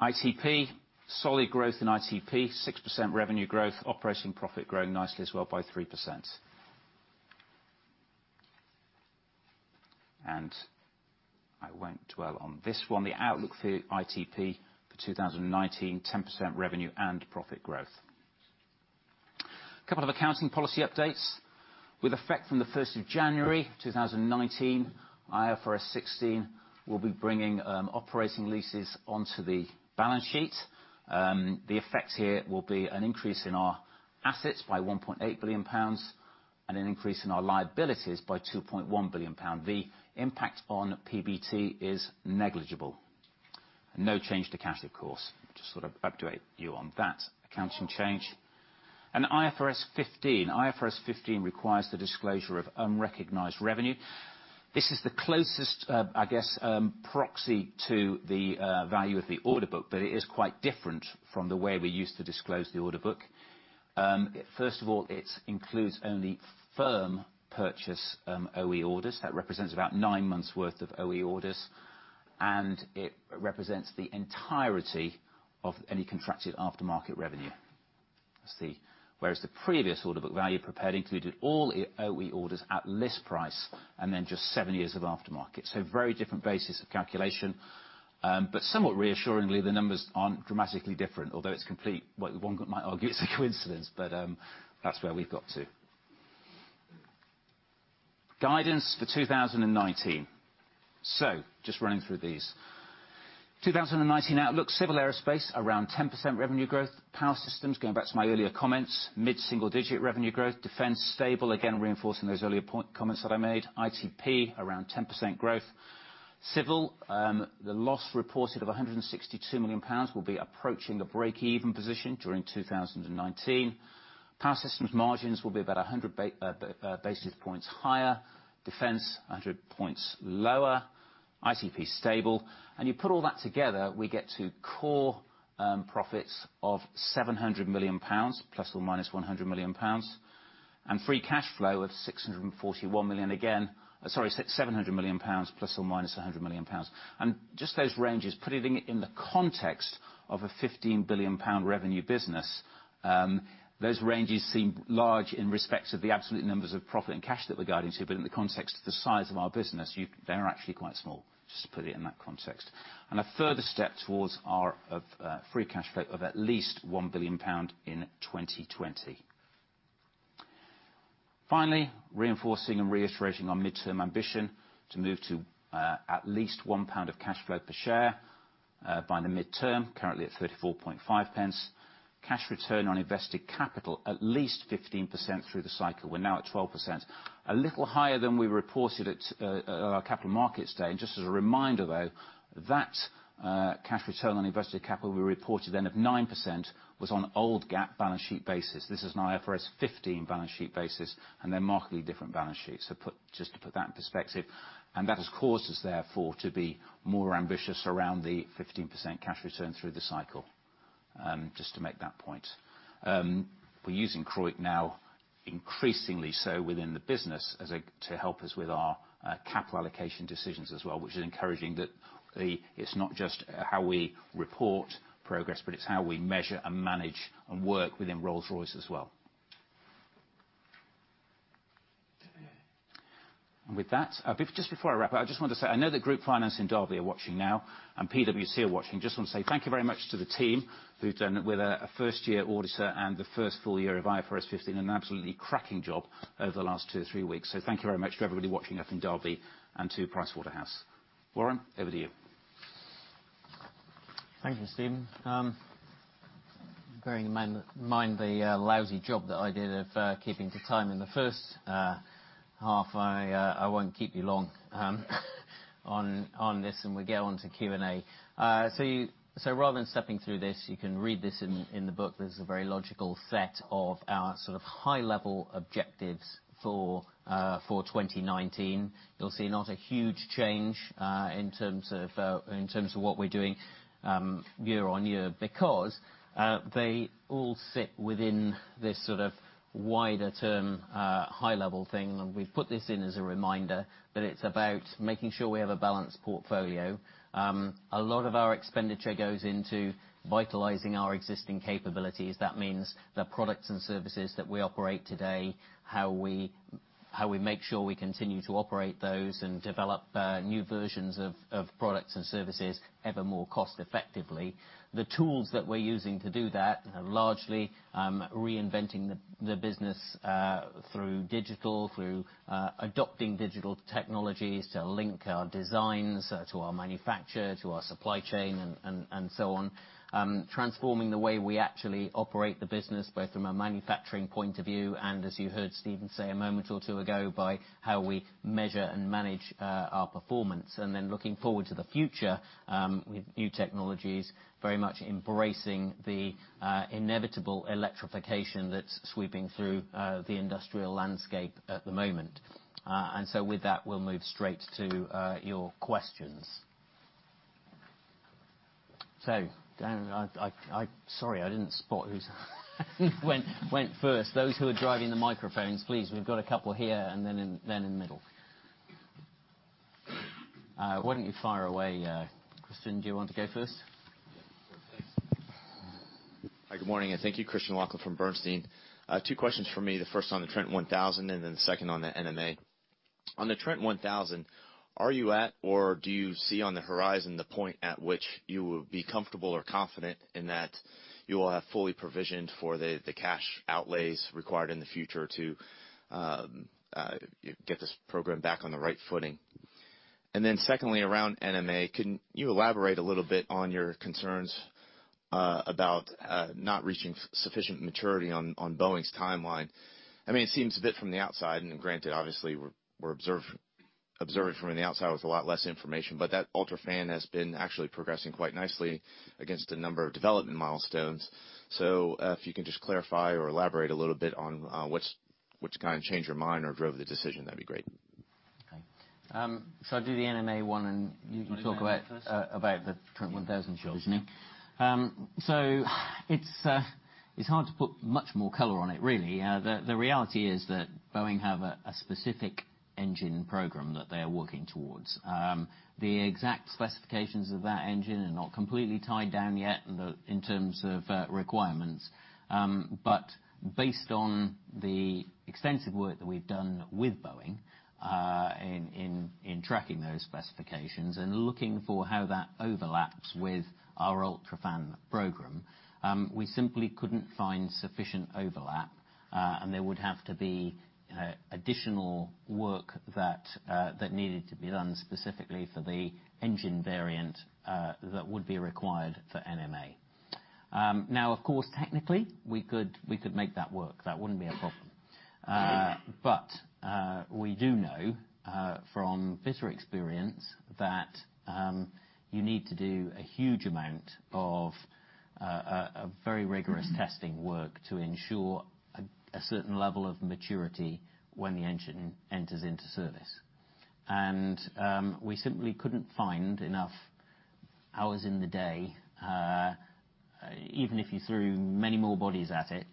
ITP, solid growth in ITP, 6% revenue growth. Operating profit growing nicely as well by 3%. I won't dwell on this one. The outlook for ITP for 2019, 10% revenue and profit growth. Couple of accounting policy updates. With effect from the 1st of January 2019, IFRS 16 will be bringing operating leases onto the balance sheet. The effect here will be an increase in our assets by 1.8 billion pounds and an increase in our liabilities by 2.1 billion pound. The impact on PBT is negligible. No change to cash, of course. Just sort of update you on that accounting change. IFRS 15. IFRS 15 requires the disclosure of unrecognized revenue. This is the closest proxy to the value of the order book, but it is quite different from the way we used to disclose the order book. First of all, it includes only firm purchase OE orders. That represents about nine months worth of OE orders, and it represents the entirety of any contracted aftermarket revenue. Whereas the previous order book value prepared included all OE orders at list price and then just seven years of aftermarket. Very different basis of calculation. Somewhat reassuringly, the numbers aren't dramatically different, although one might argue it's a coincidence, but that's where we've got to. Guidance for 2019. Just running through these. 2019 outlook, Civil Aerospace, around 10% revenue growth. Power Systems, going back to my earlier comments, mid-single-digit revenue growth. Defense, stable, again, reinforcing those earlier comments that I made. ITP, around 10% growth. Civil, the loss reported of 162 million pounds will be approaching a break-even position during 2019. Power Systems margins will be about 100 basis points higher, Defense 100 points lower, ITP stable. You put all that together, we get to core profits of 700 million pounds ±100 million pounds. Free cash flow of 641 million again. Sorry, 700 million pounds ±100 million pounds. Just those ranges, putting it in the context of a 15 billion pound revenue business, those ranges seem large in respect of the absolute numbers of profit and cash that we're guiding to. In the context of the size of our business, they are actually quite small. Just to put it in that context. A further step towards our free cash flow of at least 1 billion pound in 2020. Finally, reinforcing and reiterating our midterm ambition to move to at least 1 pound of cash flow per share by the midterm, currently at 34.5 pence. Cash return on invested capital, at least 15% through the cycle. We're now at 12%. A little higher than we reported at our Capital Markets Day. Just as a reminder, though, that cash return on invested capital we reported then of 9% was on old GAAP balance sheet basis. This is now IFRS 15 balance sheet basis, and they're markedly different balance sheets. Just to put that in perspective. That has caused us, therefore, to be more ambitious around the 15% cash return through the cycle. Just to make that point. We're using CROIC now increasingly so within the business to help us with our capital allocation decisions as well, which is encouraging. It's not just how we report progress, but it's how we measure and manage and work within Rolls-Royce as well. With that, just before I wrap up, I just wanted to say, I know that group finance in Derby are watching now, and PwC are watching. Just want to say thank you very much to the team who've done, with a first-year auditor and the first full year of IFRS 15, an absolutely cracking job over the last two to three weeks. Thank you very much to everybody watching up in Derby and to Pricewaterhouse. Warren, over to you. Thank you, Stephen. Bearing in mind the lousy job that I did of keeping to time in the first half, I won't keep you long on this, and we'll get on to Q&A. Rather than stepping through this, you can read this in the book. This is a very logical set of our sort of high-level objectives for 2019. You'll see not a huge change in terms of what we're doing year-on-year, because they all sit within this sort of wider term, high-level thing. We've put this in as a reminder, but it's about making sure we have a balanced portfolio. A lot of our expenditure goes into vitalizing our existing capabilities. That means the products and services that we operate today, how we make sure we continue to operate those and develop new versions of products and services ever more cost-effectively. The tools that we're using to do that are largely reinventing the business through digital, through adopting digital technologies to link our designs to our manufacture, to our supply chain, and so on. Transforming the way we actually operate the business, both from a manufacturing point of view and, as you heard Stephen say a moment or two ago, by how we measure and manage our performance. Looking forward to the future with new technologies, very much embracing the inevitable electrification that's sweeping through the industrial landscape at the moment. With that, we'll move straight to your questions. Sorry, I didn't spot who went first. Those who are driving the microphones, please, we've got a couple here, and then in the middle. Why don't you fire away, Christian. Do you want to go first? Yeah. Thanks. Hi, good morning, and thank you. Christian Sherlock from Bernstein. Two questions from me. The first on the Trent 1000. The second on the NMA. On the Trent 1000, are you at, or do you see on the horizon the point at which you will be comfortable or confident in that you will have fully provisioned for the cash outlays required in the future to get this program back on the right footing? Secondly, around NMA, can you elaborate a little bit on your concerns about not reaching sufficient maturity on Boeing's timeline? It seems a bit from the outside, and granted, obviously we're observing from the outside with a lot less information, but that UltraFan has been actually progressing quite nicely against a number of development milestones. If you can just clarify or elaborate a little bit on what's gone and changed your mind or drove the decision, that'd be great. Okay. I'll do the NMA one, and you can talk about- You want to go on that first? -the Trent 1000 surely. Sure. It's hard to put much more color on it, really. The reality is that Boeing have a specific engine program that they are working towards. The exact specifications of that engine are not completely tied down yet in terms of requirements. Based on the extensive work that we've done with Boeing, in tracking those specifications and looking for how that overlaps with our UltraFan program, we simply couldn't find sufficient overlap. There would have to be additional work that needed to be done specifically for the engine variant that would be required for NMA. Of course, technically we could make that work. We do know from bitter experience that you need to do a huge amount of very rigorous testing work to ensure a certain level of maturity when the engine enters into service. We simply couldn't find enough hours in the day, even if you threw many more bodies at it,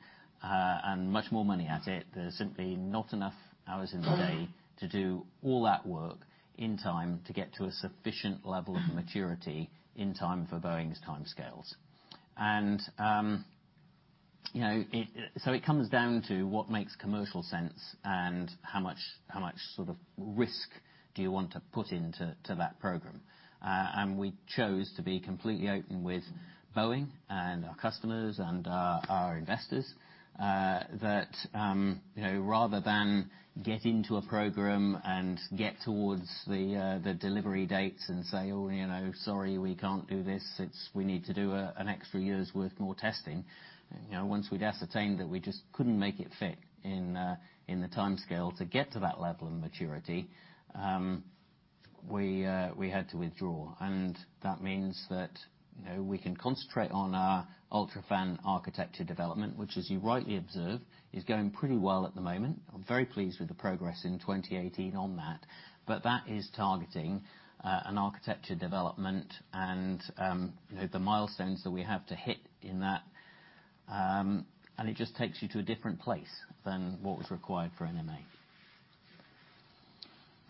and much more money at it, there's simply not enough hours in the day to do all that work in time to get to a sufficient level of maturity in time for Boeing's timescales. It comes down to what makes commercial sense and how much risk do you want to put into that program. We chose to be completely open with Boeing and our customers and our investors, that rather than get into a program and get towards the delivery dates and say, "Oh, sorry, we can't do this, we need to do an extra year's worth more testing." Once we'd ascertained that we just couldn't make it fit in the timescale to get to that level of maturity, we had to withdraw. That means that we can concentrate on our UltraFan architecture development, which as you rightly observe, is going pretty well at the moment. I'm very pleased with the progress in 2018 on that. That is targeting an architecture development and the milestones that we have to hit in that. It just takes you to a different place than what was required for NMA.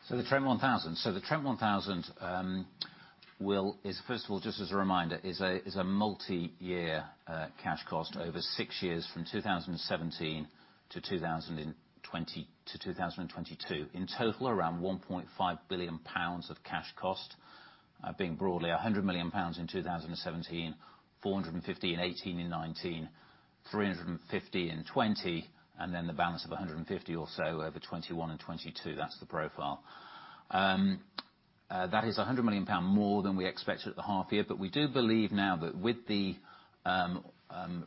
The Trent 1000. The Trent 1000, first of all, just as a reminder, is a multi-year cash cost over six years from 2017 to 2022. In total, around 1.5 billion pounds of cash cost, being broadly 100 million pounds in 2017, 450 in 2018 and 2019, 350 in 2020, and then the balance of 150 or so over 2021 and 2022. That's the profile. That is 100 million pound more than we expected at the half year, but we do believe now that with the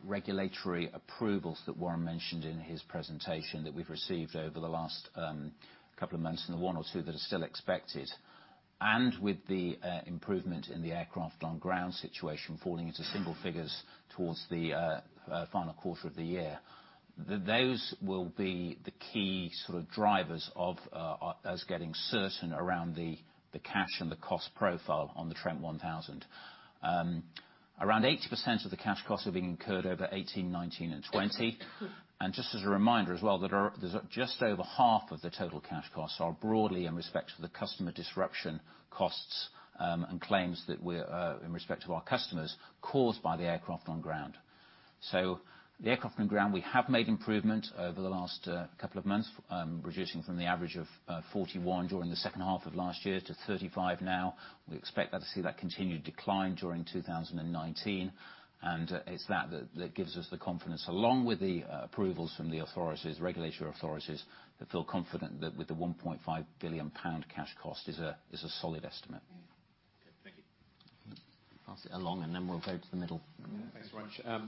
regulatory approvals that Warren mentioned in his presentation that we've received over the last couple of months, and the one or two that are still expected, and with the improvement in the aircraft on ground situation falling into single figures towards the final quarter of the year, those will be the key drivers of us getting certain around the cash and the cost profile on the Trent 1000. 80% of the cash costs are being incurred over 2018, 2019, and 2020. Just as a reminder as well, that just over half of the total cash costs are broadly in respect to the customer disruption costs, and claims in respect to our customers, caused by the aircraft on ground. The aircraft on ground, we have made improvements over the last couple of months, reducing from the average of 41 during the second half of last year to 35 now. We expect to see that continued decline during 2019. It's that that gives us the confidence, along with the approvals from the regulatory authorities, to feel confident that with the 1.5 billion pound cash cost is a solid estimate. Okay. Thank you. Pass it along and then we'll go to the middle. Thanks very much.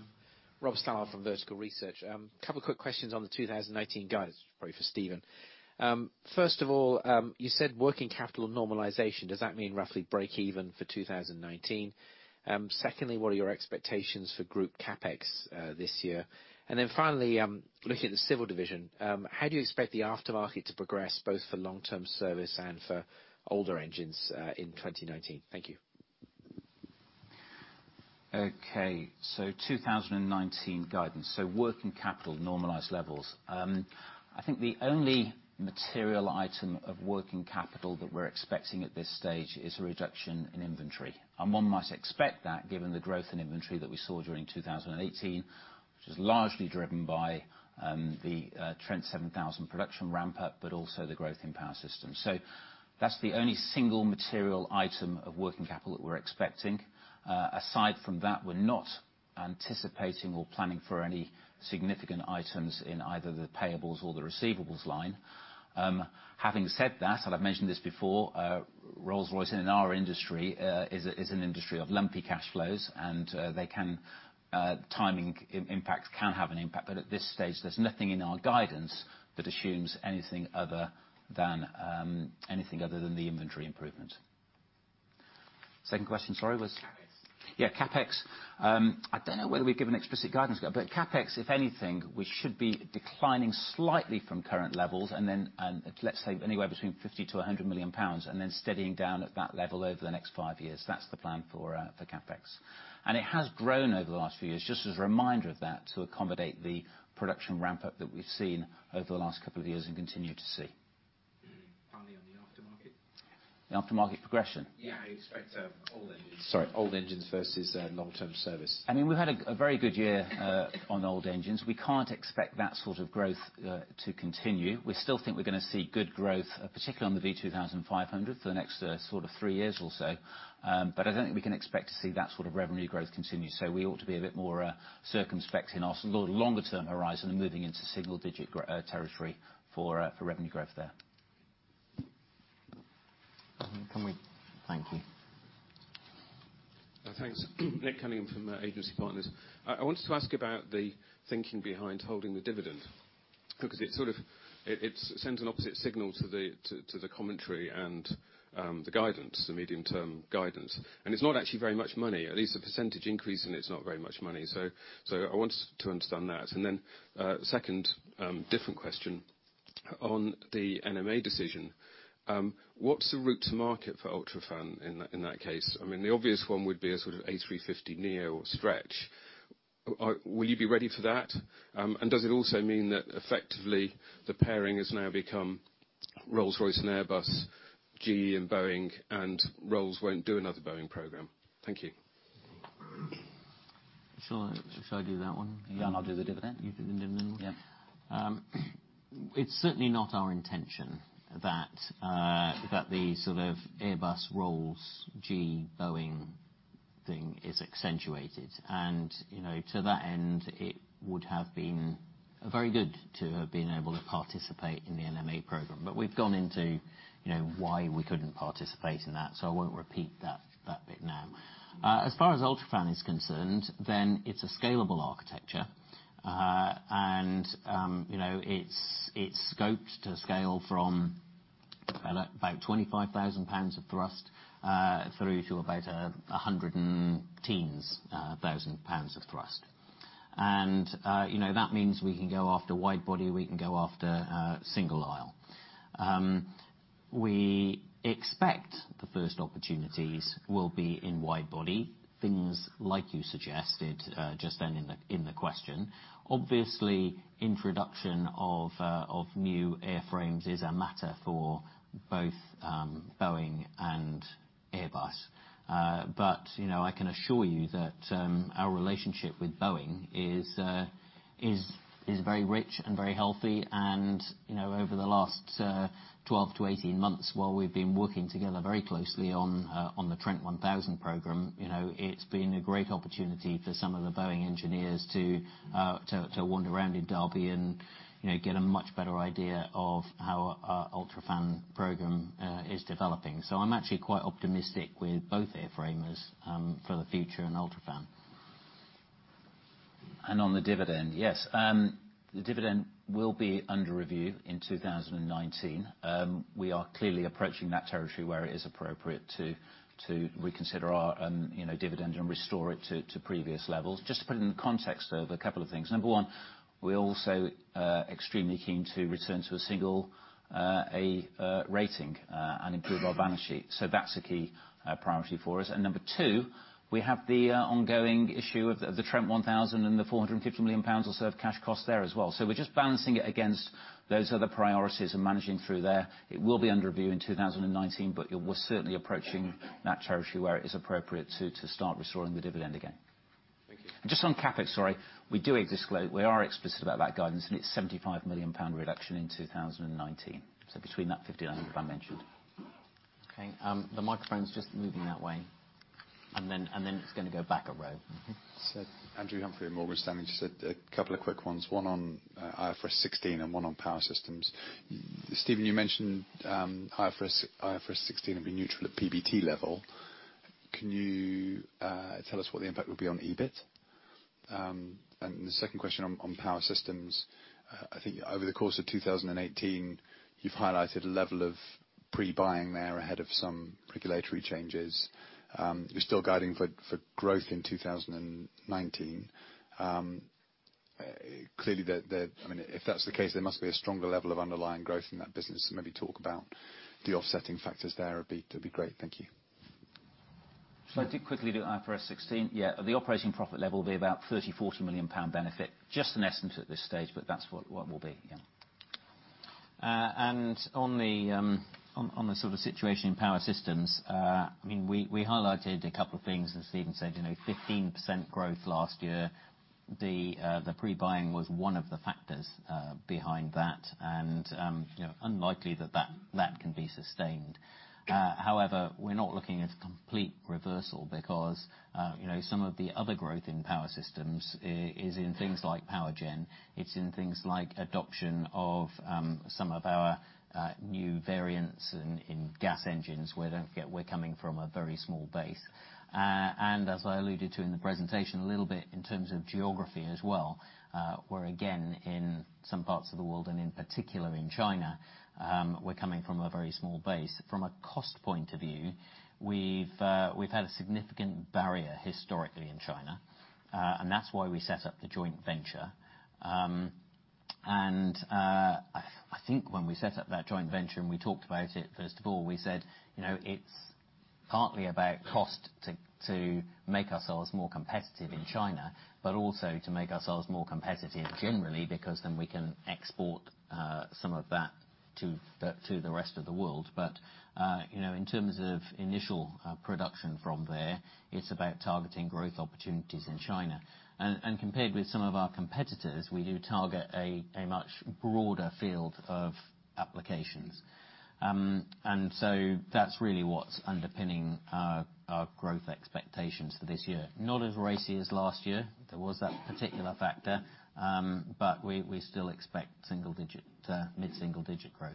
Rob Stallard from Vertical Research. Couple quick questions on the 2019 guidance, probably for Stephen. First of all, you said working capital normalization. Does that mean roughly breakeven for 2019? Secondly, what are your expectations for group CapEx this year? Finally, looking at the Civil division, how do you expect the aftermarket to progress, both for long-term service and for older engines, in 2019? Thank you. Okay. 2019 guidance. Working capital normalized levels. I think the only material item of working capital that we're expecting at this stage is a reduction in inventory. One might expect that given the growth in inventory that we saw during 2018, which was largely driven by the Trent 7000 production ramp-up, but also the growth in Power Systems. That's the only single material item of working capital that we're expecting. Aside from that, we're not anticipating or planning for any significant items in either the payables or the receivables line. Having said that, and I've mentioned this before, Rolls-Royce and our industry, is an industry of lumpy cash flows, and timing can have an impact. At this stage, there's nothing in our guidance that assumes anything other than the inventory improvement. Second question, sorry. CapEx. Yeah, CapEx. I don't know whether we've given explicit guidance, CapEx, if anything, we should be declining slightly from current levels, let's say anywhere between 50 million-100 million pounds, then steadying down at that level over the next five years. That's the plan for CapEx. It has grown over the last few years, just as a reminder of that, to accommodate the production ramp-up that we've seen over the last couple of years and continue to see. Finally on the aftermarket. The aftermarket progression? Yeah, how do you expect old engines- Sorry. Old engines versus long-term service. We've had a very good year on old engines. We can't expect that sort of growth to continue. We still think we're going to see good growth, particularly on the V2500 for the next three years or so. I don't think we can expect to see that sort of revenue growth continue. We ought to be a bit more circumspect in our sort of longer term horizon and moving into single digit territory for revenue growth there. Can we- Thanks. Nick Cunningham from Agency Partners. I wanted to ask about the thinking behind holding the dividend, because it sends an opposite signal to the commentary and the guidance, the medium-term guidance. It's not actually very much money, at least the percentage increase in it is not very much money. I wanted to understand that. Second, different question. On the NMA decision, what's the route to market for UltraFan in that case? I mean, the obvious one would be a sort of A350neo stretch. Will you be ready for that? Does it also mean that effectively the pairing has now become Rolls-Royce and Airbus, GE and Boeing, and Rolls won't do another Boeing program? Thank you. Shall I do that one? Yeah. I'll do the dividend. You do the dividend one. It's certainly not our intention that the sort of Airbus-Rolls, GE-Boeing thing is accentuated. To that end, it would have been very good to have been able to participate in the NMA program. We've gone into why we couldn't participate in that, so I won't repeat that bit now. As far as UltraFan is concerned, then it's a scalable architecture. It's scoped to scale from about 25,000 pounds of thrust through to about 100 and teens, thousand pounds of thrust. That means we can go after wide body, we can go after single aisle. We expect the first opportunities will be in wide body, things like you suggested just then in the question. Obviously, introduction of new airframes is a matter for both Boeing and Airbus. I can assure you that our relationship with Boeing is very rich and very healthy and over the last 12 to 18 months, while we've been working together very closely on the Trent 1000 program, it's been a great opportunity for some of the Boeing engineers to wander around in Derby and get a much better idea of how our UltraFan program is developing. I'm actually quite optimistic with both airframers for the future and UltraFan. On the dividend, yes. The dividend will be under review in 2019. We are clearly approaching that territory where it is appropriate to reconsider our dividend and restore it to previous levels. Just to put it in the context of a couple of things. Number one, we're also extremely keen to return to a single A rating, and improve our balance sheet. That's a key priority for us. Number two, we have the ongoing issue of the Trent 1000 and the 450 million pounds or so of cash costs there as well. We're just balancing it against those other priorities and managing through there. It will be under review in 2019, we're certainly approaching that territory where it is appropriate to start restoring the dividend again. Thank you. CapEx, sorry, we are explicit about that guidance. It's a 75 million pound reduction in 2019. Between that 50 and 100 I mentioned. Okay. The microphone's just moving that way. Then it's going to go back a row. Andrew Humphrey, Morgan Stanley. Just a couple of quick ones, one on IFRS 16 and one on Power Systems. Stephen, you mentioned IFRS 16 will be neutral at PBT level. Can you tell us what the impact will be on EBIT? The second question on Power Systems. I think over the course of 2018, you've highlighted a level of pre-buying there ahead of some regulatory changes. You're still guiding for growth in 2019. Clearly, if that's the case, there must be a stronger level of underlying growth in that business. Maybe talk about the offsetting factors there would be great. Thank you. If I could quickly do IFRS 16. At the operating profit level will be about 30 million-40 million pound benefit. Just an estimate at this stage, but that's what it will be. On the sort of situation in Power Systems, we highlighted a couple of things, as Stephen said, 15% growth last year. The pre-buying was one of the factors behind that, unlikely that can be sustained. However, we're not looking at a complete reversal because some of the other growth in Power Systems is in things like power gen. It's in things like adoption of some of our new variants in gas engines. We're coming from a very small base. As I alluded to in the presentation a little bit in terms of geography as well, where again, in some parts of the world, and in particular in China, we're coming from a very small base. From a cost point of view, we've had a significant barrier historically in China, and that's why we set up the joint venture. I think when we set up that joint venture and we talked about it, first of all, we said it's partly about cost to make ourselves more competitive in China, but also to make ourselves more competitive generally, because then we can export some of that to the rest of the world. In terms of initial production from there, it's about targeting growth opportunities in China. Compared with some of our competitors, we do target a much broader field of applications. That's really what's underpinning our growth expectations for this year. Not as racy as last year. There was that particular factor. We still expect mid-single-digit growth.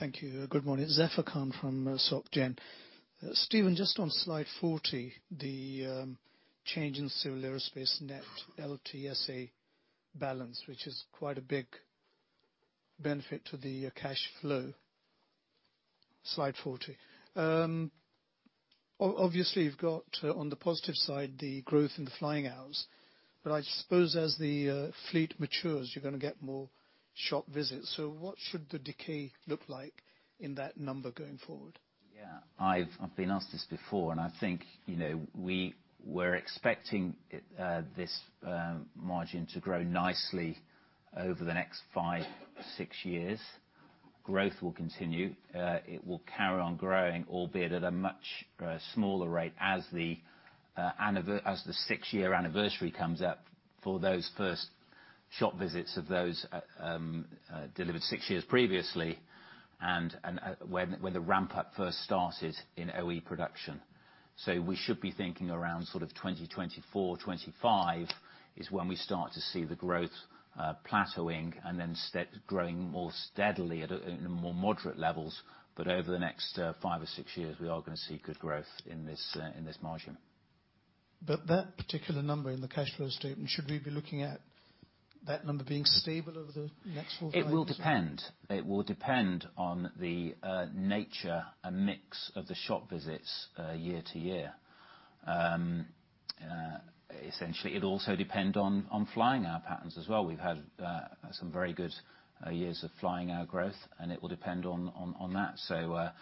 Thank you. Good morning. Zafar Khan from Société Générale. Stephen, just on Slide 40, the change in Civil Aerospace net, LTSA balance, which is quite a big benefit to the cash flow. Slide 40. Obviously, you've got, on the positive side, the growth in the flying hours, but I suppose as the fleet matures, you're going to get more shop visits. What should the decay look like in that number going forward? Yeah. I've been asked this before, I think we were expecting this margin to grow nicely over the next five, six years. Growth will continue. It will carry on growing, albeit at a much smaller rate as the six-year anniversary comes up for those first shop visits of those delivered six years previously, and when the ramp up first started in OE production. We should be thinking around 2024, 2025 is when we start to see the growth plateauing and then growing more steadily at more moderate levels. Over the next five or six years, we are going to see good growth in this margin. That particular number in the cash flow statement, should we be looking at that number being stable over the next four to five years? It will depend. It will depend on the nature and mix of the shop visits year-to-year. Essentially, it'll also depend on flying hour patterns as well. We've had some very good years of flying hour growth, and it will depend on that.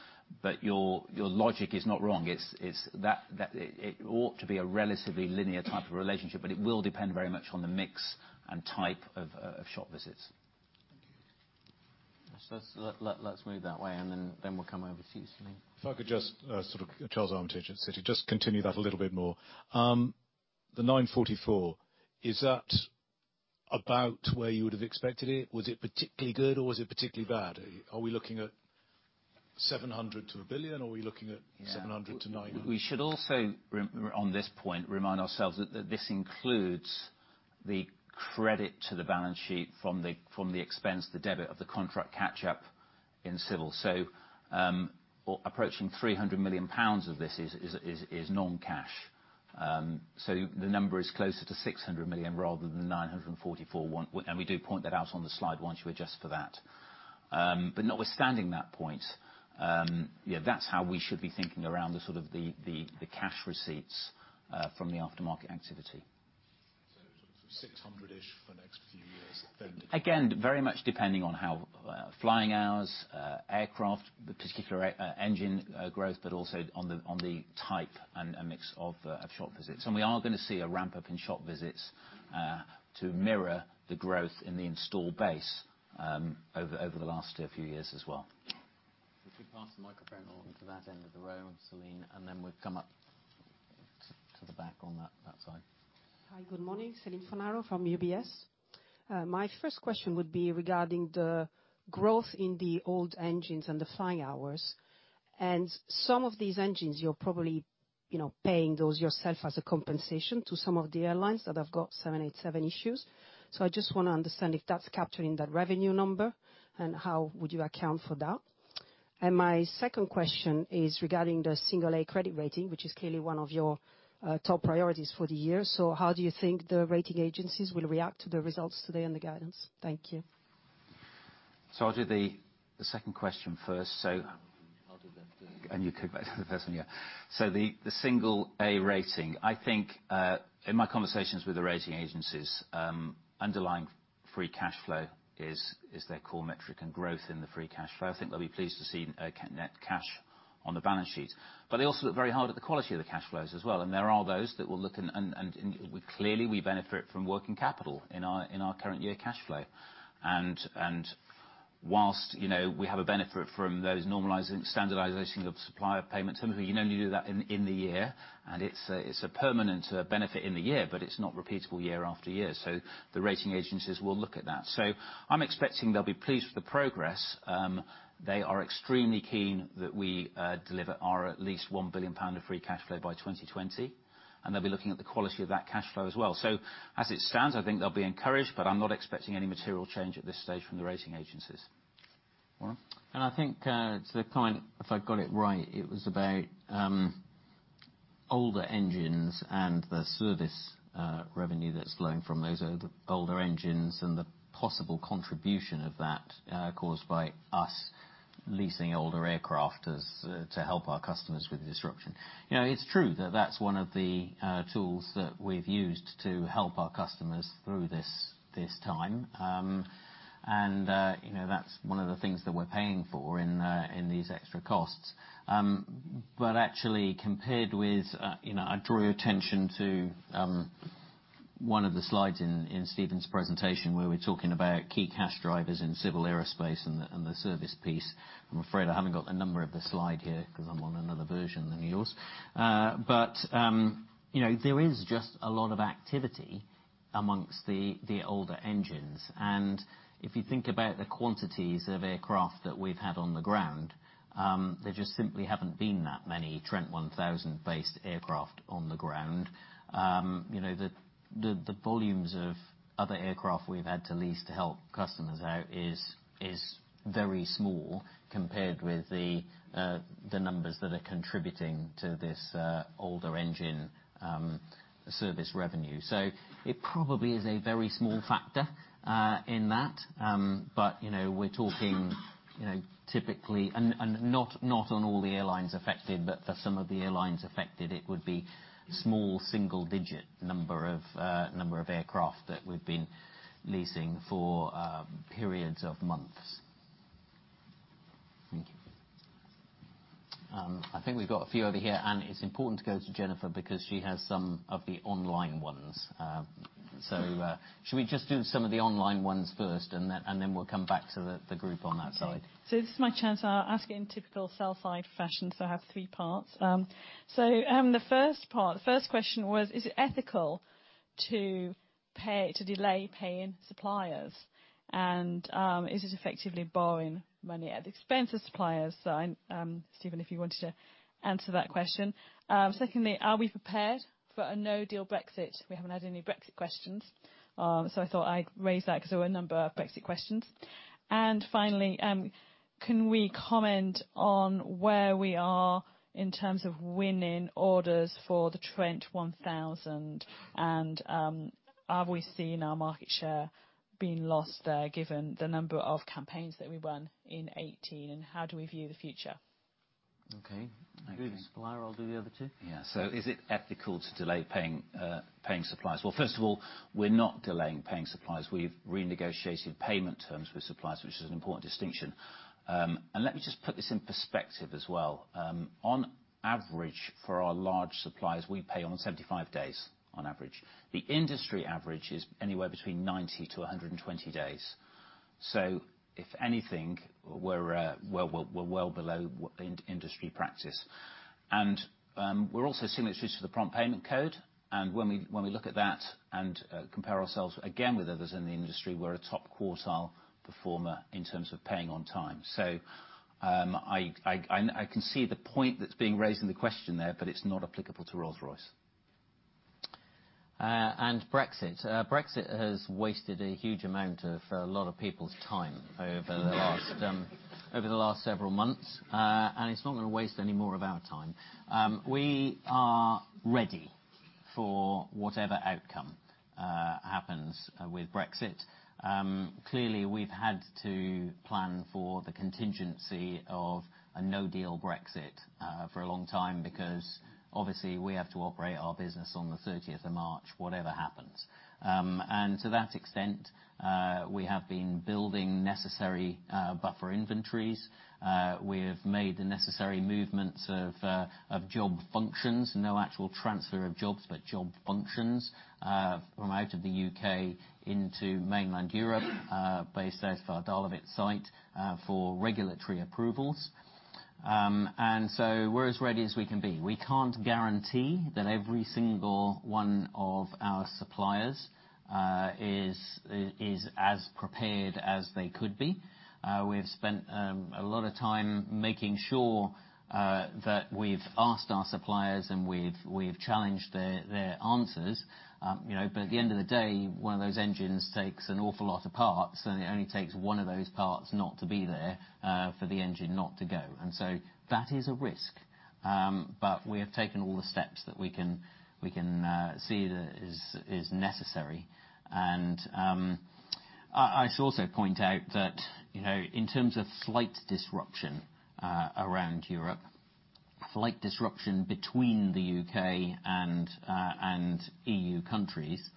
Your logic is not wrong. It ought to be a relatively linear type of relationship, but it will depend very much on the mix and type of shop visits. Thank you. Let's move that way, then we'll come over to you, Celine. If I could just, Charles Armitage at Citi, just continue that a little bit more. The 944, is that about where you would have expected it? Was it particularly good or was it particularly bad? Are we looking at 700 to a billion or are we looking at 700 to 900? We should also, on this point, remind ourselves that this includes the credit to the balance sheet from the expense, the debit of the contract catch up in Civil. Approaching 300 million pounds of this is non-cash. The number is closer to 600 million rather than 944, and we do point that out on the slide once you adjust for that. Notwithstanding that point, yeah, that's how we should be thinking around the cash receipts from the aftermarket activity. Sort of 600-ish for the next few years. Again, very much depending on how flying hours, aircraft, the particular engine growth, but also on the type and a mix of shop visits. We are going to see a ramp-up in shop visits to mirror the growth in the install base over the last few years as well. If we pass the microphone on to that end of the row, Celine, and then we'll come up to the back on that side. Hi. Good morning. Celine Fornaro from UBS. My first question would be regarding the growth in the old engines and the flying hours. Some of these engines, you're probably paying those yourself as a compensation to some of the airlines that have got 787 issues. I just want to understand if that's capturing that revenue number, and how would you account for that? My second question is regarding the single A credit rating, which is clearly one of your top priorities for the year. Thank you. I'll do the second question first. I'll do the first. You come back to the first one, yeah. The single A rating. I think, in my conversations with the rating agencies, underlying free cash flow is their core metric, and growth in the free cash flow. I think they'll be pleased to see net cash on the balance sheet. They also look very hard at the quality of the cash flows as well, and there are those that will look, and clearly, we benefit from working capital in our current year cash flow. Whilst we have a benefit from those normalizing, standardization of supplier payments, you can only do that in the year, and it's a permanent benefit in the year, but it's not repeatable year after year. The rating agencies will look at that. I'm expecting they'll be pleased with the progress. They are extremely keen that we deliver our at least 1 billion pound of free cash flow by 2020, and they'll be looking at the quality of that cash flow as well. As it stands, I think they'll be encouraged, but I'm not expecting any material change at this stage from the rating agencies. Warren? I think to the point, if I've got it right, it was about older engines and the service revenue that's flowing from those older engines and the possible contribution of that caused by us leasing older aircraft to help our customers with the disruption. It's true that that's one of the tools that we've used to help our customers through this time. That's one of the things that we're paying for in these extra costs. Actually, compared with, I draw your attention to one of the slides in Stephen's presentation where we're talking about key cash drivers in Civil Aerospace and the service piece. I'm afraid I haven't got the number of the slide here because I'm on another version than yours. There is just a lot of activity Amongst the older engines. If you think about the quantities of aircraft that we've had on ground, there just simply haven't been that many Trent 1000-based aircraft on ground. The volumes of other aircraft we've had to lease to help customers out is very small compared with the numbers that are contributing to this older engine service revenue. It probably is a very small factor in that. We're talking typically, and not on all the airlines affected, but for some of the airlines affected, it would be small single-digit number of aircraft that we've been leasing for periods of months. Thank you. I think we've got a few over here. Anne, it's important to go to Jennifer because she has some of the online ones. Shall we just do some of the online ones first, then we'll come back to the group on that side. Okay. This is my chance. I'll ask in typical sell-side fashion, I have three parts. The first part, first question was, is it ethical to delay paying suppliers? Is it effectively borrowing money at the expense of suppliers? Stephen, if you wanted to answer that question. Secondly, are we prepared for a no-deal Brexit? We haven't had any Brexit questions, I thought I'd raise that because there were a number of Brexit questions. Finally, can we comment on where we are in terms of winning orders for the Trent 1000? Are we seeing our market share being lost there given the number of campaigns that we won in 2018? How do we view the future? Okay. I can do the supplier, I'll do the other two. Yeah. Is it ethical to delay paying suppliers? Well, first of all, we're not delaying paying suppliers. We've renegotiated payment terms with suppliers, which is an important distinction. Let me just put this in perspective as well. On average, for our large suppliers, we pay on 75 days, on average. The industry average is anywhere between 90 to 120 days. If anything, we're well below industry practice. We're also signatories to the Prompt Payment Code. When we look at that and compare ourselves again with others in the industry, we're a top-quartile performer in terms of paying on time. I can see the point that's being raised in the question there, but it's not applicable to Rolls-Royce. Brexit. Brexit has wasted a huge amount of a lot of people's time over the last several months. It's not going to waste any more of our time. We are ready for whatever outcome happens with Brexit. Clearly, we've had to plan for the contingency of a no-deal Brexit for a long time because obviously we have to operate our business on the 30th of March, whatever happens. To that extent, we have been building necessary buffer inventories. We have made the necessary movements of job functions. No actual transfer of jobs, but job functions from out of the U.K. into mainland Europe, based at our Dahlewitz site for regulatory approvals. We're as ready as we can be. We can't guarantee that every single one of our suppliers is as prepared as they could be. We've spent a lot of time making sure that we've asked our suppliers and we've challenged their answers. At the end of the day, one of those engines takes an awful lot of parts, and it only takes one of those parts not to be there for the engine not to go. That is a risk, but we have taken all the steps that we can see that is necessary. I should also point out that in terms of flight disruption around Europe, flight disruption between the U.K. and EU countries,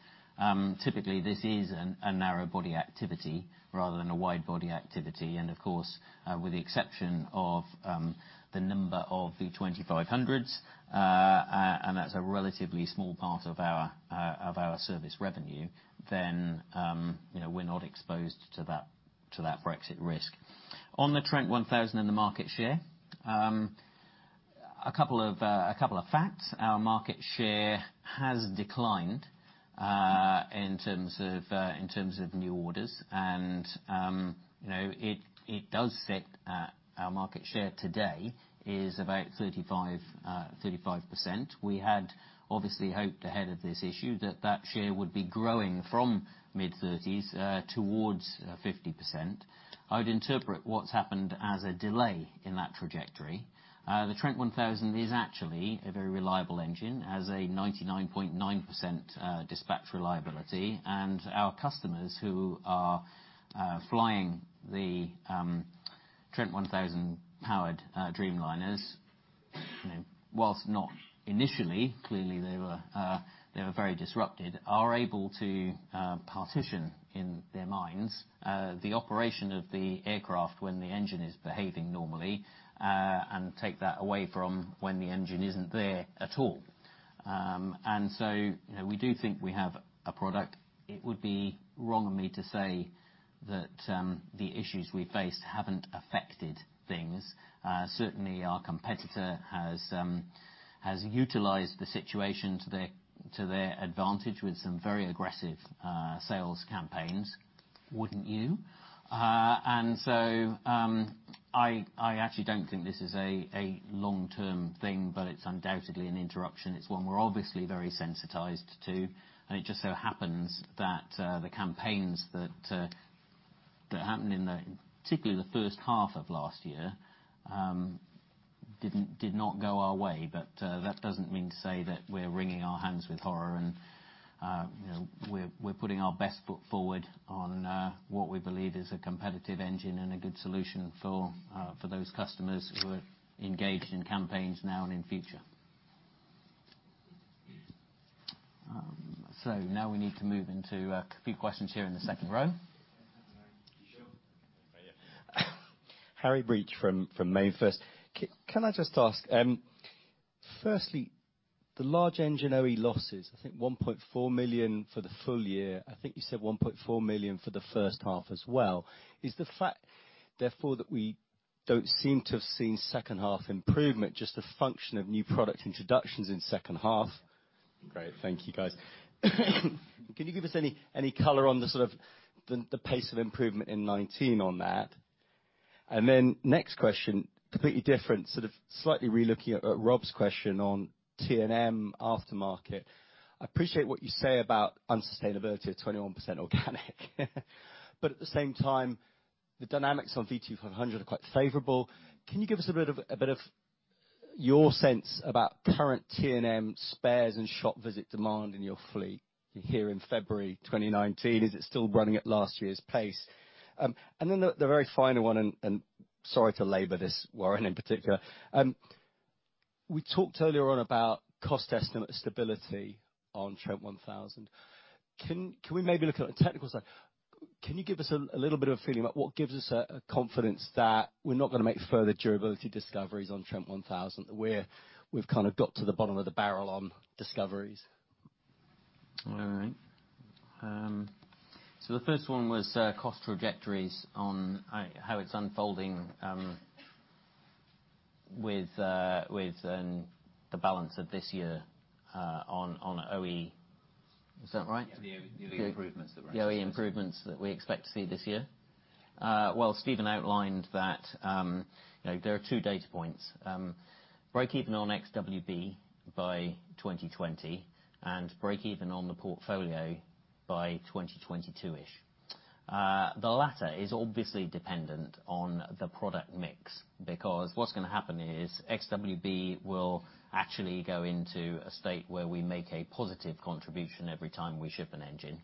typically, this is a narrow-body activity rather than a wide-body activity. Of course, with the exception of the number of V2500s, and that's a relatively small part of our service revenue, then we're not exposed to that Brexit risk. On the Trent 1000 and the market share. A couple of facts. Our market share has declined in terms of new orders. It does sit at, our market share today is about 35%. We had obviously hoped ahead of this issue that that share would be growing from mid-30s towards 50%. I would interpret what's happened as a delay in that trajectory. The Trent 1000 is actually a very reliable engine. It has a 99.9% dispatch reliability. Our customers who are flying the Trent 1000-powered Dreamliners, whilst not initially, clearly they were very disrupted, are able to partition in their minds the operation of the aircraft when the engine is behaving normally, and take that away from when the engine isn't there at all. We do think we have a product. It would be wrong of me to say that the issues we faced haven't affected things. Certainly, our competitor has utilized the situation to their advantage with some very aggressive sales campaigns. Wouldn't you? I actually don't think this is a long-term thing, but it's undoubtedly an interruption. It's one we're obviously very sensitized to. It just so happens that the campaigns that happened in, particularly the first half of last year, did not go our way. That doesn't mean to say that we're wringing our hands with horror and we're putting our best foot forward on what we believe is a competitive engine and a good solution for those customers who are engaged in campaigns now and in future. Now we need to move into a few questions here in the second row. Harry Breach from MainFirst. Can I just ask, firstly, the large engine OE losses, I think 1.4 million for the full year. I think you said 1.4 million for the first half as well. Is the fact, therefore, that we don't seem to have seen second half improvement, just a function of new product introductions in second half? Great. Thank you, guys. Can you give us any color on the sort of, the pace of improvement in 2019 on that? Next question, completely different. Sort of slightly re-looking at Rob Stallard's question on T&M aftermarket. I appreciate what you say about unsustainability of 21% organic. At the same time, the dynamics on V2500 are quite favorable. Can you give us a bit of your sense about current T&M spares and shop visit demand in your fleet here in February 2019? Is it still running at last year's pace? The very final one, and sorry to labor this, Warren, in particular. We talked earlier on about cost estimate stability on Trent 1000. Can we maybe look at the technical side? Can you give us a little bit of a feeling about what gives us a confidence that we're not going to make further durability discoveries on Trent 1000? We've kind of got to the bottom of the barrel on discoveries. All right. The first one was cost trajectories on how it's unfolding with the balance of this year on OE. Is that right? Yeah. The OE improvements that we're expecting. The OE improvements that we expect to see this year. Well, Stephen outlined that there are two data points. Breakeven on XWB by 2020 and breakeven on the portfolio by 2022-ish. The latter is obviously dependent on the product mix because what's going to happen is XWB will actually go into a state where we make a positive contribution every time we ship an engine.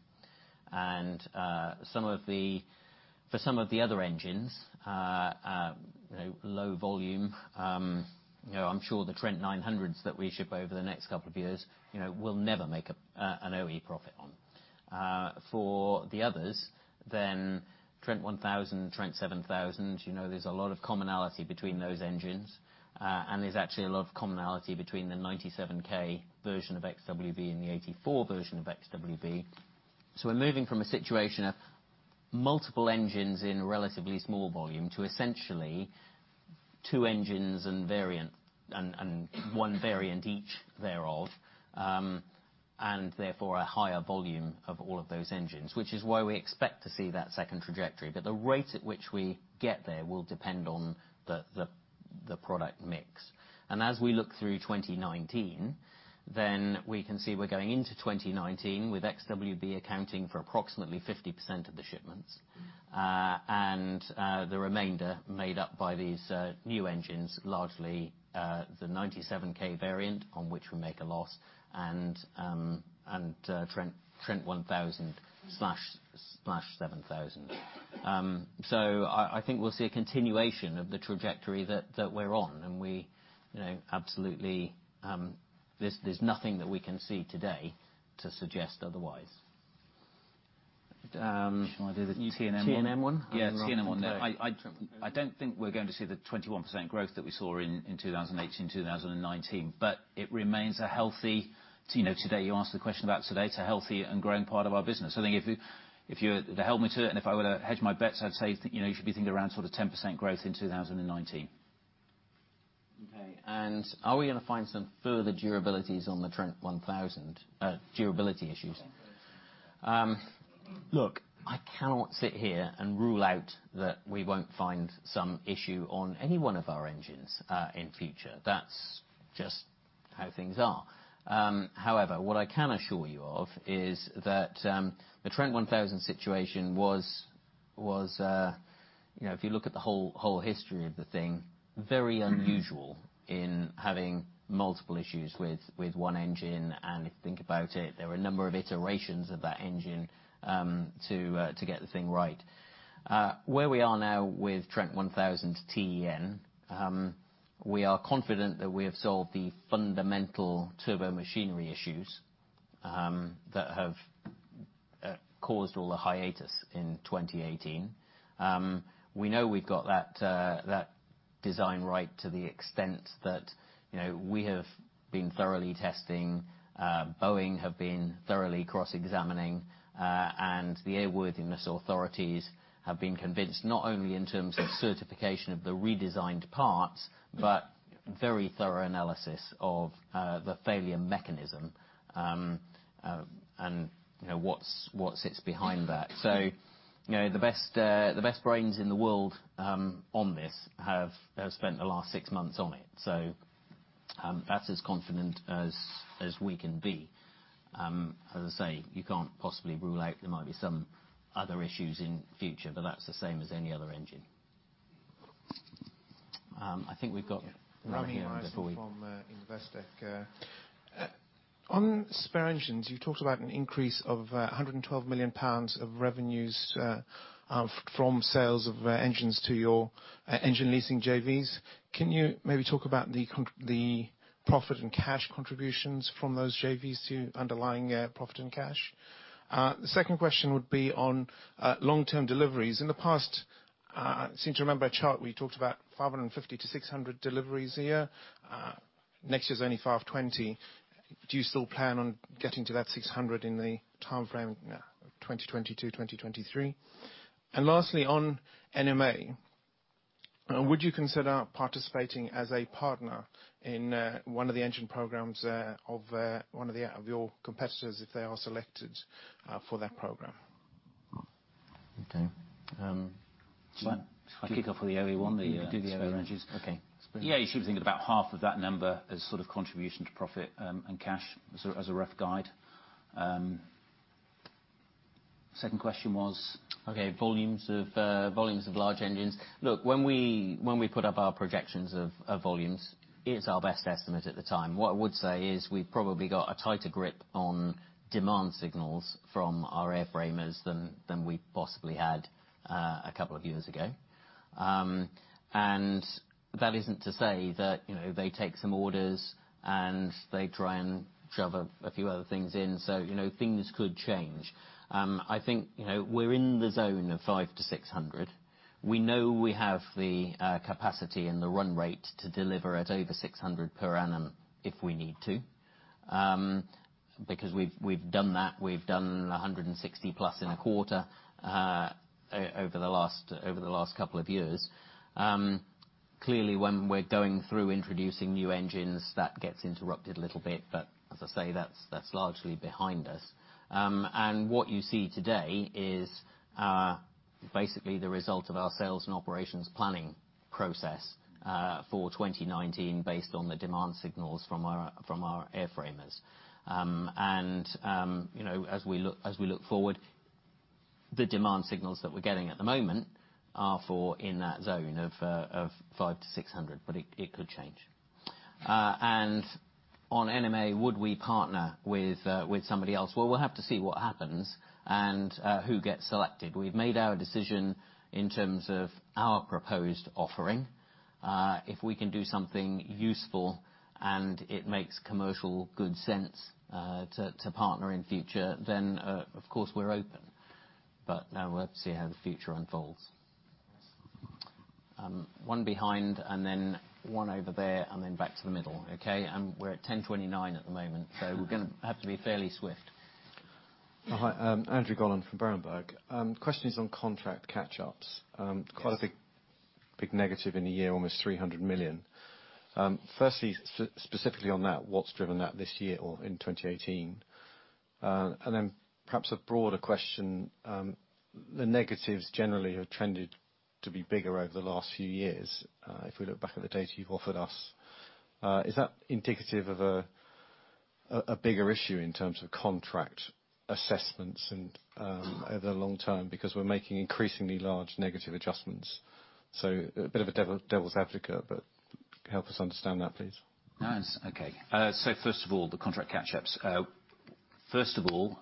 For some of the other engines, low volume, I'm sure the Trent 900s that we ship over the next couple of years, we'll never make an OE profit on. For the others, Trent 1000, Trent 7000, there's a lot of commonality between those engines. There's actually a lot of commonality between the 97K version of XWB and the 84 version of XWB. We're moving from a situation of multiple engines in relatively small volume to essentially two engines and one variant each thereof, and therefore a higher volume of all of those engines, which is why we expect to see that second trajectory. The rate at which we get there will depend on the product mix. As we look through 2019, we can see we're going into 2019 with XWB accounting for approximately 50% of the shipments. The remainder made up by these new engines, largely the 97K variant on which we make a loss and Trent 1000/7000. I think we'll see a continuation of the trajectory that we're on. There's nothing that we can see today to suggest otherwise. Do you want to do the T&M one? T&M one? Yeah. T&M. I don't think we're going to see the 21% growth that we saw in 2018, 2019. Today, you asked the question about today, it's a healthy and growing part of our business. I think if you were to held me to it if I were to hedge my bets, I'd say you should be thinking around sort of 10% growth in 2019. Okay. Are we going to find some further durabilities on the Trent 1000, durability issues? Look, I cannot sit here and rule out that we won't find some issue on any one of our engines in future. That's just how things are. What I can assure you of is that the Trent 1000 situation was, if you look at the whole history of the thing, very unusual in having multiple issues with one engine. If you think about it, there were a number of iterations of that engine to get the thing right. Where we are now with Trent 1000 TEN, we are confident that we have solved the fundamental turbomachinery issues that have caused all the hiatus in 2018. We know we've got that design right to the extent that we have been thoroughly testing, Boeing have been thoroughly cross-examining, and the airworthiness authorities have been convinced, not only in terms of certification of the redesigned parts, but very thorough analysis of the failure mechanism, and what sits behind that. The best brains in the world on this have spent the last six months on it. That's as confident as we can be. As I say, you can't possibly rule out there might be some other issues in future, but that's the same as any other engine. I think we've got one here and then we- Rami Myerson from Investec. On spare engines, you've talked about an increase of 112 million pounds of revenues from sales of engines to your engine leasing JVs. Can you maybe talk about the profit and cash contributions from those JVs to underlying profit and cash? The second question would be on long-term deliveries. In the past, I seem to remember a chart where you talked about 550 to 600 deliveries a year. Next year's only 520. Do you still plan on getting to that 600 in the timeframe of 2022, 2023? Lastly, on NMA. Would you consider participating as a partner in one of the engine programs of one of your competitors if they are selected for that program? Shall I kick off with the early one? Yeah. The spare engines. Do the spare engines. Okay. Yeah, you should think of about half of that number as contribution to profit and cash, as a rough guide. Second question was? Okay. Volumes of large engines. Look, when we put up our projections of volumes, it is our best estimate at the time. What I would say is we've probably got a tighter grip on demand signals from our airframers than we possibly had a couple of years ago. That isn't to say that they take some orders and they try and shove a few other things in. Things could change. I think, we're in the zone of 500-600. We know we have the capacity and the run rate to deliver at over 600 per annum if we need to. We've done that. We've done 160+ in a quarter, over the last couple of years. Clearly, when we're going through introducing new engines, that gets interrupted a little bit. As I say, that's largely behind us. What you see today is basically the result of our sales and operations planning process for 2019 based on the demand signals from our airframers. As we look forward, the demand signals that we're getting at the moment are in that zone of 500 to 600, but it could change. On NMA, would we partner with somebody else? We'll have to see what happens and who gets selected. We've made our decision in terms of our proposed offering. If we can do something useful and it makes commercial good sense to partner in future, then of course we're open. We'll have to see how the future unfolds. One behind, and then one over there, and then back to the middle. Okay? We're at 10:29 A.M. at the moment, so we're going to have to be fairly swift. Hi. Andrew Gollan from Berenberg. Question is on contract catch-ups. Yes. Quite a big negative in the year, almost 300 million. Firstly, specifically on that, what's driven that this year or in 2018? Perhaps a broader question. The negatives generally have trended to be bigger over the last few years, if we look back at the data you've offered us. Is that indicative of a bigger issue in terms of contract assessments over the long term? Because we're making increasingly large negative adjustments. A bit of a devil's advocate, but help us understand that, please. First of all, the contract catch-ups. First of all,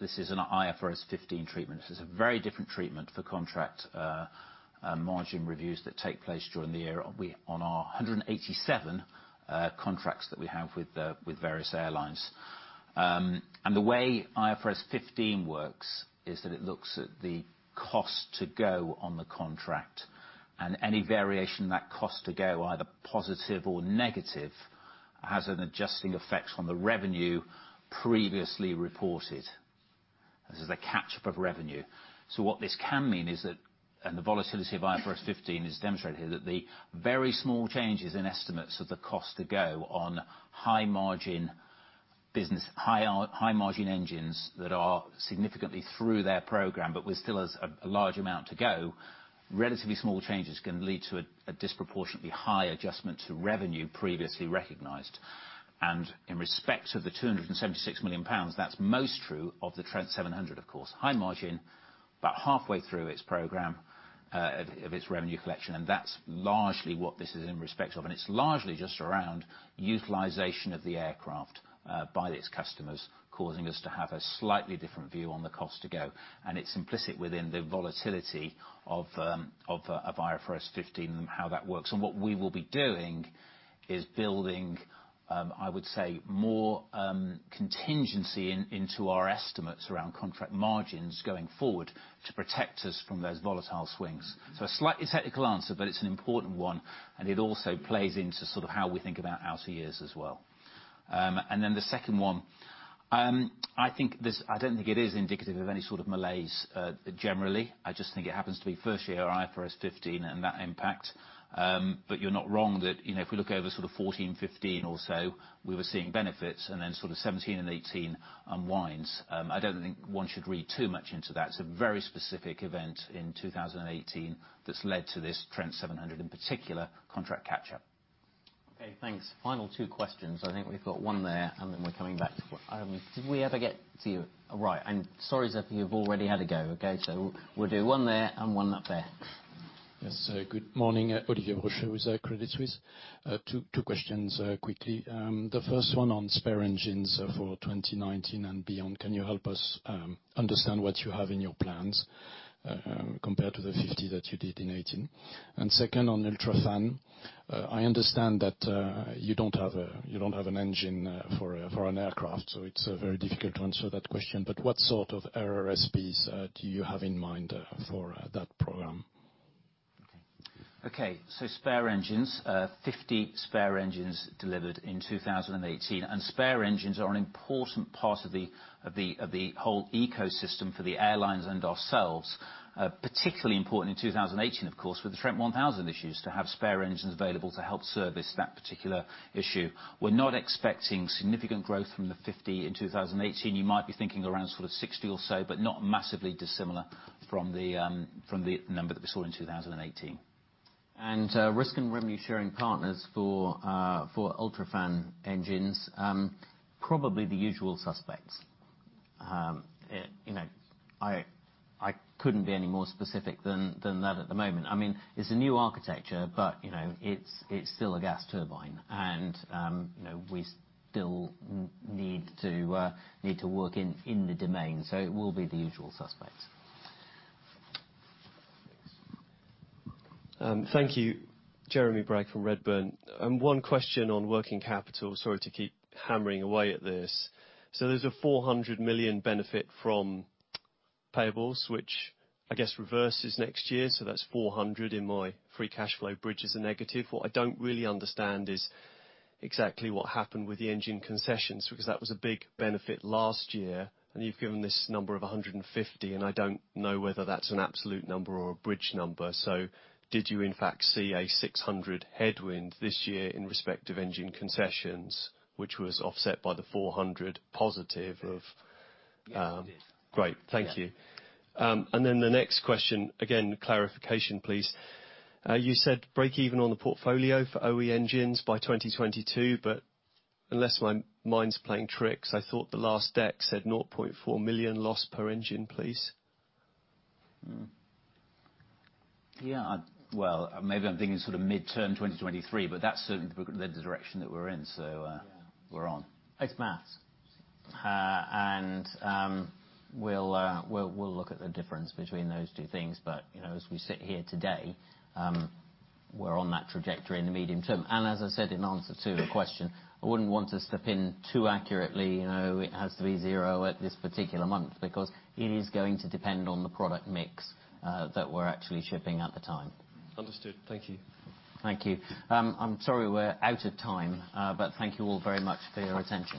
this is an IFRS 15 treatment. This is a very different treatment for contract margin reviews that take place during the year on our 187 contracts that we have with various airlines. The way IFRS 15 works is that it looks at the cost to go on the contract. Any variation in that cost to go, either positive or negative, has an adjusting effect on the revenue previously reported. This is a catch-up of revenue. What this can mean is that the volatility of IFRS 15 is demonstrated here, that the very small changes in estimates of the cost to go on high margin engines that are significantly through their program but with still a large amount to go, relatively small changes can lead to a disproportionately high adjustment to revenue previously recognized. In respect of the 276 million pounds, that's most true of the Trent 700, of course. High margin, about halfway through its program of its revenue collection. That's largely what this is in respect of. It's largely just around utilization of the aircraft by its customers, causing us to have a slightly different view on the cost to go. It's implicit within the volatility of IFRS 15 and how that works. What we will be doing is building, I would say, more contingency into our estimates around contract margins going forward to protect us from those volatile swings. A slightly technical answer, but it's an important one, and it also plays into sort of how we think about outer years as well. The second one. I don't think it is indicative of any sort of malaise, generally. I just think it happens to be first-year IFRS 15 and that impact. You're not wrong that, if we look over sort of 2014, 2015 or so, we were seeing benefits, and then sort of 2017 and 2018 unwinds. I don't think one should read too much into that. It's a very specific event in 2018 that's led to this Trent 700, in particular, contract catch-up. Okay, thanks. Final two questions. I think we've got one there, and then we're coming back to Did we ever get to you? All right. Sorry, sir, but you've already had a go. Okay. We'll do one there and one up there. Yes. Good morning. Olivier Brochet with Credit Suisse. Two questions quickly. The first one on spare engines for 2019 and beyond. Can you help us understand what you have in your plans, compared to the 50 that you did in 2018? Second, on UltraFan. I understand that you don't have an engine for an aircraft, so it's very difficult to answer that question, but what sort of RRSPs do you have in mind for that program? Okay. Spare engines. 50 spare engines delivered in 2018. Spare engines are an important part of the whole ecosystem for the airlines and ourselves. Particularly important in 2018, of course, with the Trent 1000 issues, to have spare engines available to help service that particular issue. We're not expecting significant growth from the 50 in 2018. You might be thinking around sort of 60 or so, but not massively dissimilar from the number that we saw in 2018. Risk and Revenue Sharing Partners for UltraFan engines. Probably the usual suspects. I couldn't be any more specific than that at the moment. It's a new architecture, but it's still a gas turbine. We still need to work in the domain, so it will be the usual suspects. Thanks. Thank you. Jeremy Bragg from Redburn. One question on working capital. Sorry to keep hammering away at this. There's a 400 million benefit from payables, which I guess reverses next year, so that's 400 in my free cash flow bridge as a negative. What I don't really understand is exactly what happened with the engine concessions, because that was a big benefit last year, and you've given this number of 150, and I don't know whether that's an absolute number or a bridged number. Did you in fact see a 600 headwind this year in respect of engine concessions, which was offset by the 400 positive of- Yes. Great. Thank you. Yeah. The next question, again, clarification, please. You said break even on the portfolio for OE engines by 2022. Unless my mind's playing tricks, I thought the last deck said 0.4 million loss per engine, please? Hmm. Yeah. Well, maybe I'm thinking sort of midterm 2023, that's certainly the direction that we're in. Yeah we're on. It's maths. We'll look at the difference between those two things. As we sit here today, we're on that trajectory in the medium term. As I said in answer to a question, I wouldn't want to step in too accurately, it has to be zero at this particular month, because it is going to depend on the product mix that we're actually shipping at the time. Understood. Thank you. Thank you. I'm sorry we're out of time. Thank you all very much for your attention.